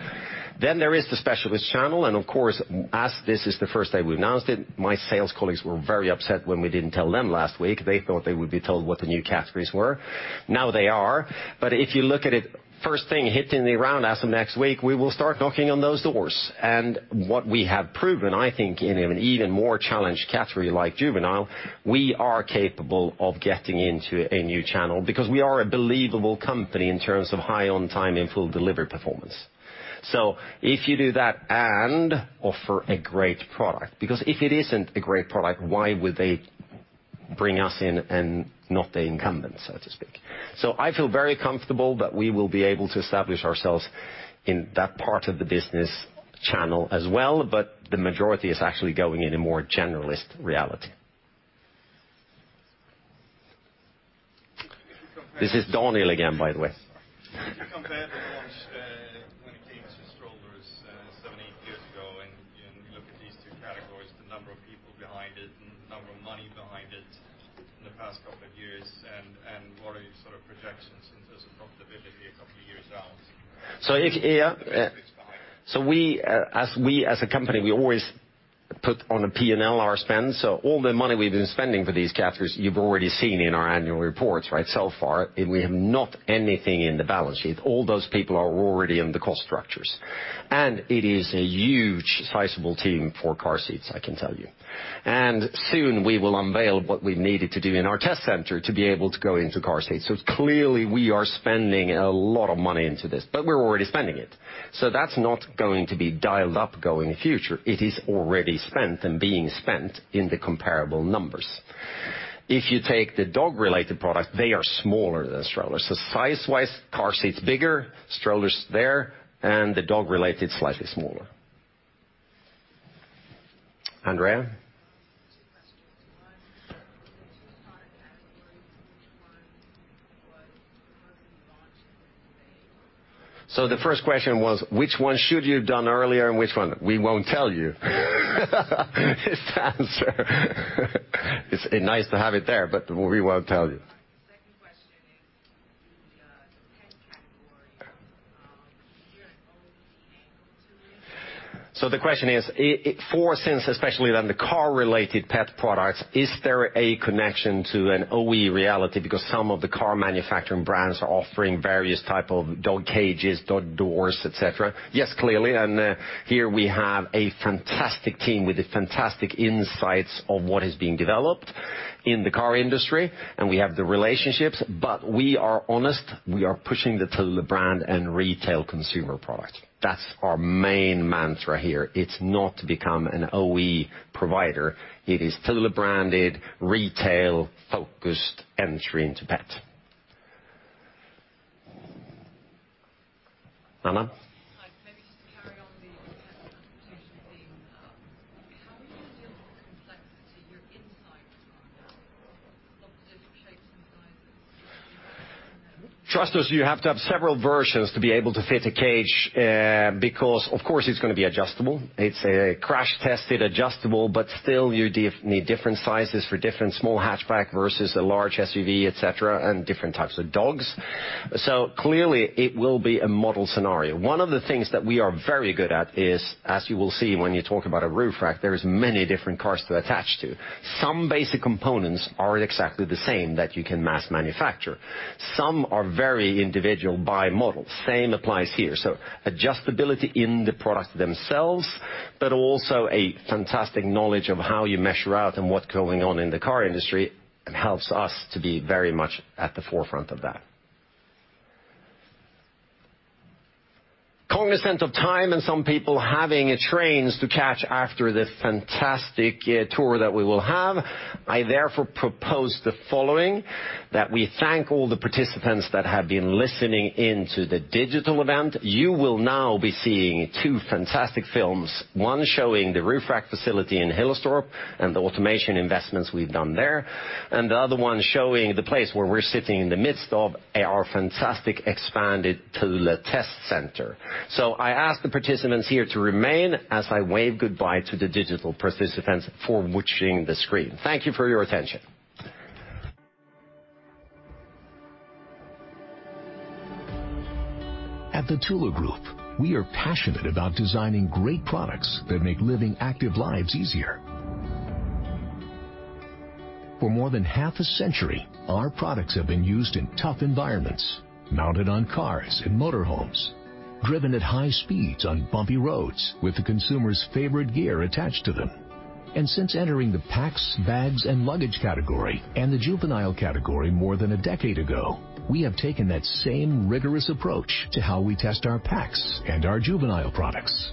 There is the specialist channel. Of course, as this is the first day we've announced it, my sales colleagues were very upset when we didn't tell them last week. They thought they would be told what the new categories were. Now they are. If you look at it, first thing hitting the ground as of next week, we will start knocking on those doors. What we have proven, I think in an even more challenged category like juvenile, we are capable of getting into a new channel because we are a believable company in terms of high on time in full delivery performance. If you do that and offer a great product, because if it isn't a great product, why would they bring us in and not the incumbent, so to speak? I feel very comfortable that we will be able to establish ourselves in that part of the business channel as well. The majority is actually going in a more generalist reality. This is Daniel Schmidt again, by the way. If you put on a P&L our spend. All the money we've been spending for these categories, you've already seen in our annual reports, right, so far. We have not anything in the balance sheet. All those people are already in the cost structures. It is a huge sizable team for car seats, I can tell you. Soon we will unveil what we needed to do in our test center to be able to go into car seats. Clearly we are spending a lot of money into this, but we're already spending it. That's not going to be dialed up going future. It is already spent and being spent in the comparable numbers. If you take the dog-related product, they are smaller than strollers. Size-wise, car seats bigger, strollers there, and the dog-related, slightly smaller. Andrea? Two questions. One, related to the product categories, which one was worth launching when you made? The first question was, which one should you have done earlier and which one? We won't tell you is the answer. It's nice to have it there, but we won't tell you. The second question is the pet category. Is there an OE angle to it? The question is, since especially on the car-related pet products, is there a connection to an OE reality? Because some of the car manufacturing brands are offering various type of dog cages, dog doors, et cetera. Yes, clearly. Here we have a fantastic team with the fantastic insights of what is being developed in the car industry, and we have the relationships. We are honest, we are pushing the Thule brand and retail consumer product. That's our main mantra here. It's not to become an OE provider. It is Thule-branded, retail-focused entry into pet. Anna? Hi. Maybe just to carry on the pet adaptation theme. How will you deal with the complexity, your insights on that of the different shapes and sizes? Trust us, you have to have several versions to be able to fit a cage, because of course, it's gonna be adjustable. It's a crash-tested, adjustable, but still you need different sizes for different small hatchback versus a large SUV, et cetera, and different types of dogs. Clearly it will be a model scenario. One of the things that we are very good at is, as you will see when you talk about a roof rack, there is many different cars to attach to. Some basic components are exactly the same that you can mass manufacture. Some are very individual by model. Same applies here. Adjustability in the product themselves, but also a fantastic knowledge of how you measure out and what's going on in the car industry. It helps us to be very much at the forefront of that. Cognizant of time and some people having trains to catch after this fantastic tour that we will have, I therefore propose the following, that we thank all the participants that have been listening in to the digital event. You will now be seeing two fantastic films, one showing the roof rack facility in Hillerstorp and the automation investments we've done there, and the other one showing the place where we're sitting in the midst of our fantastic expanded Thule test center. I ask the participants here to remain as I wave goodbye to the digital participants for watching the screen. Thank you for your attention. At the Thule Group, we are passionate about designing great products that make living active lives easier. For more than half a century, our products have been used in tough environments, mounted on cars and motor homes, driven at high speeds on bumpy roads with the consumer's favorite gear attached to them. Since entering the Packs, Bags & Luggage category and the juvenile category more than a decade ago, we have taken that same rigorous approach to how we test our packs and our juvenile products.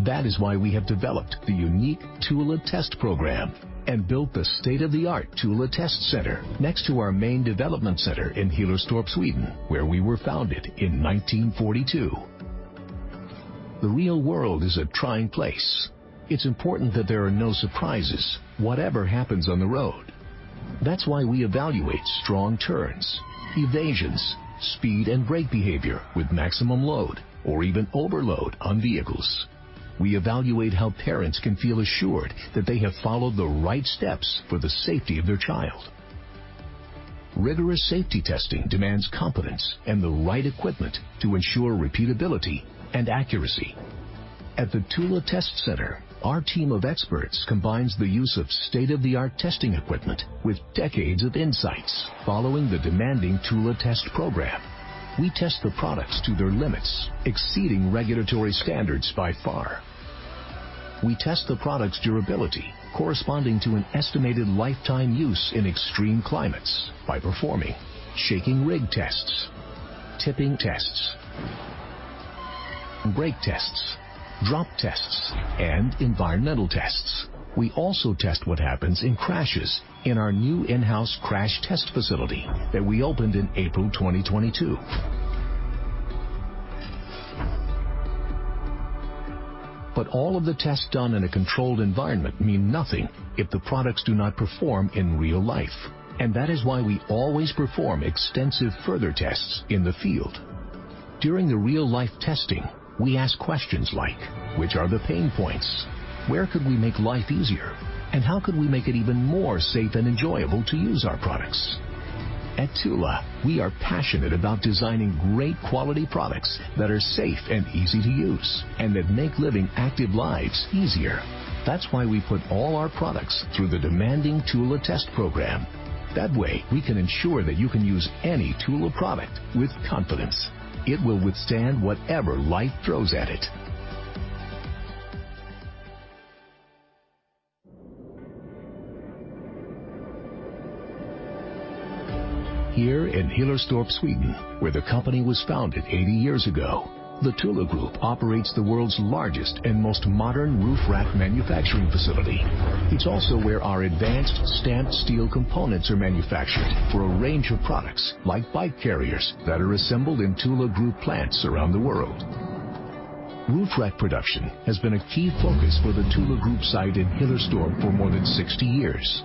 That is why we have developed the unique Thule Test Program™ and built the state-of-the-art Thule Test Center next to our main development center in Hillerstorp, Sweden, where we were founded in 1942. The real world is a trying place. It's important that there are no surprises, whatever happens on the road. That's why we evaluate strong turns, evasions, speed and brake behavior with maximum load or even overload on vehicles. We evaluate how parents can feel assured that they have followed the right steps for the safety of their child. Rigorous safety testing demands competence and the right equipment to ensure repeatability and accuracy. At the Thule Test Center, our team of experts combines the use of state-of-the-art testing equipment with decades of insights following the demanding Thule Test Program. We test the products to their limits, exceeding regulatory standards by far. We test the product's durability corresponding to an estimated lifetime use in extreme climates by performing shaking rig tests, tipping tests, brake tests, drop tests, and environmental tests. We also test what happens in crashes in our new in-house crash test facility that we opened in April 2022. All of the tests done in a controlled environment mean nothing if the products do not perform in real life. That is why we always perform extensive further tests in the field. During the real-life testing, we ask questions like, "Which are the pain points?" "Where could we make life easier?" "How could we make it even more safe and enjoyable to use our products?" At Thule, we are passionate about designing great quality products that are safe and easy to use, and that make living active lives easier. That's why we put all our products through the demanding Thule Test Program. That way, we can ensure that you can use any Thule product with confidence. It will withstand whatever life throws at it. Here in Hillerstorp, Sweden, where the company was founded 80 years ago, the Thule Group operates the world's largest and most modern roof rack manufacturing facility. It's also where our advanced stamped steel components are manufactured for a range of products like bike carriers that are assembled in Thule Group plants around the world. Roof rack production has been a key focus for the Thule Group site in Hillerstorp for more than 60 years,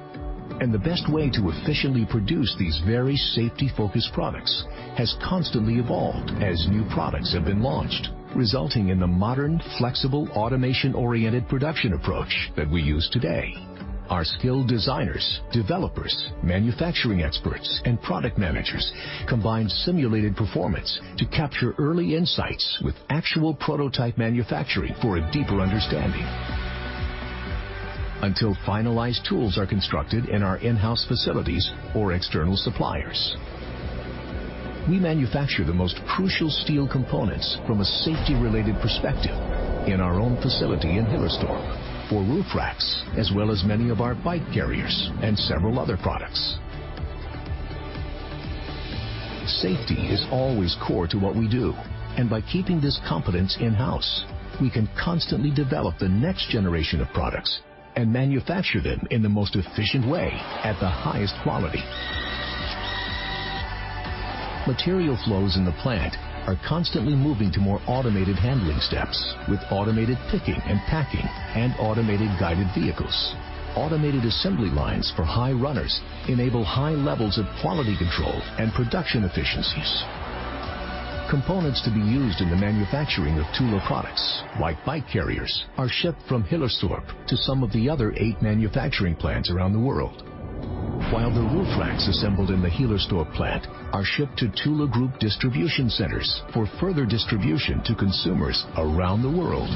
and the best way to efficiently produce these very safety-focused products has constantly evolved as new products have been launched, resulting in the modern, flexible, automation-oriented production approach that we use today. Our skilled designers, developers, manufacturing experts, and product managers combine simulated performance to capture early insights with actual prototype manufacturing for a deeper understanding until finalized tools are constructed in our in-house facilities or external suppliers. We manufacture the most crucial steel components from a safety-related perspective in our own facility in Hillerstorp for roof racks, as well as many of our bike carriers and several other products. Safety is always core to what we do, and by keeping this competence in-house, we can constantly develop the next generation of products and manufacture them in the most efficient way at the highest quality. Material flows in the plant are constantly moving to more automated handling steps with automated picking and packing and automated guided vehicles. Automated assembly lines for high runners enable high levels of quality control and production efficiencies. Components to be used in the manufacturing of Thule products, like bike carriers, are shipped from Hillerstorp to some of the other eight manufacturing plants around the world. While the roof racks assembled in the Hillerstorp plant are shipped to Thule Group distribution centers for further distribution to consumers around the world.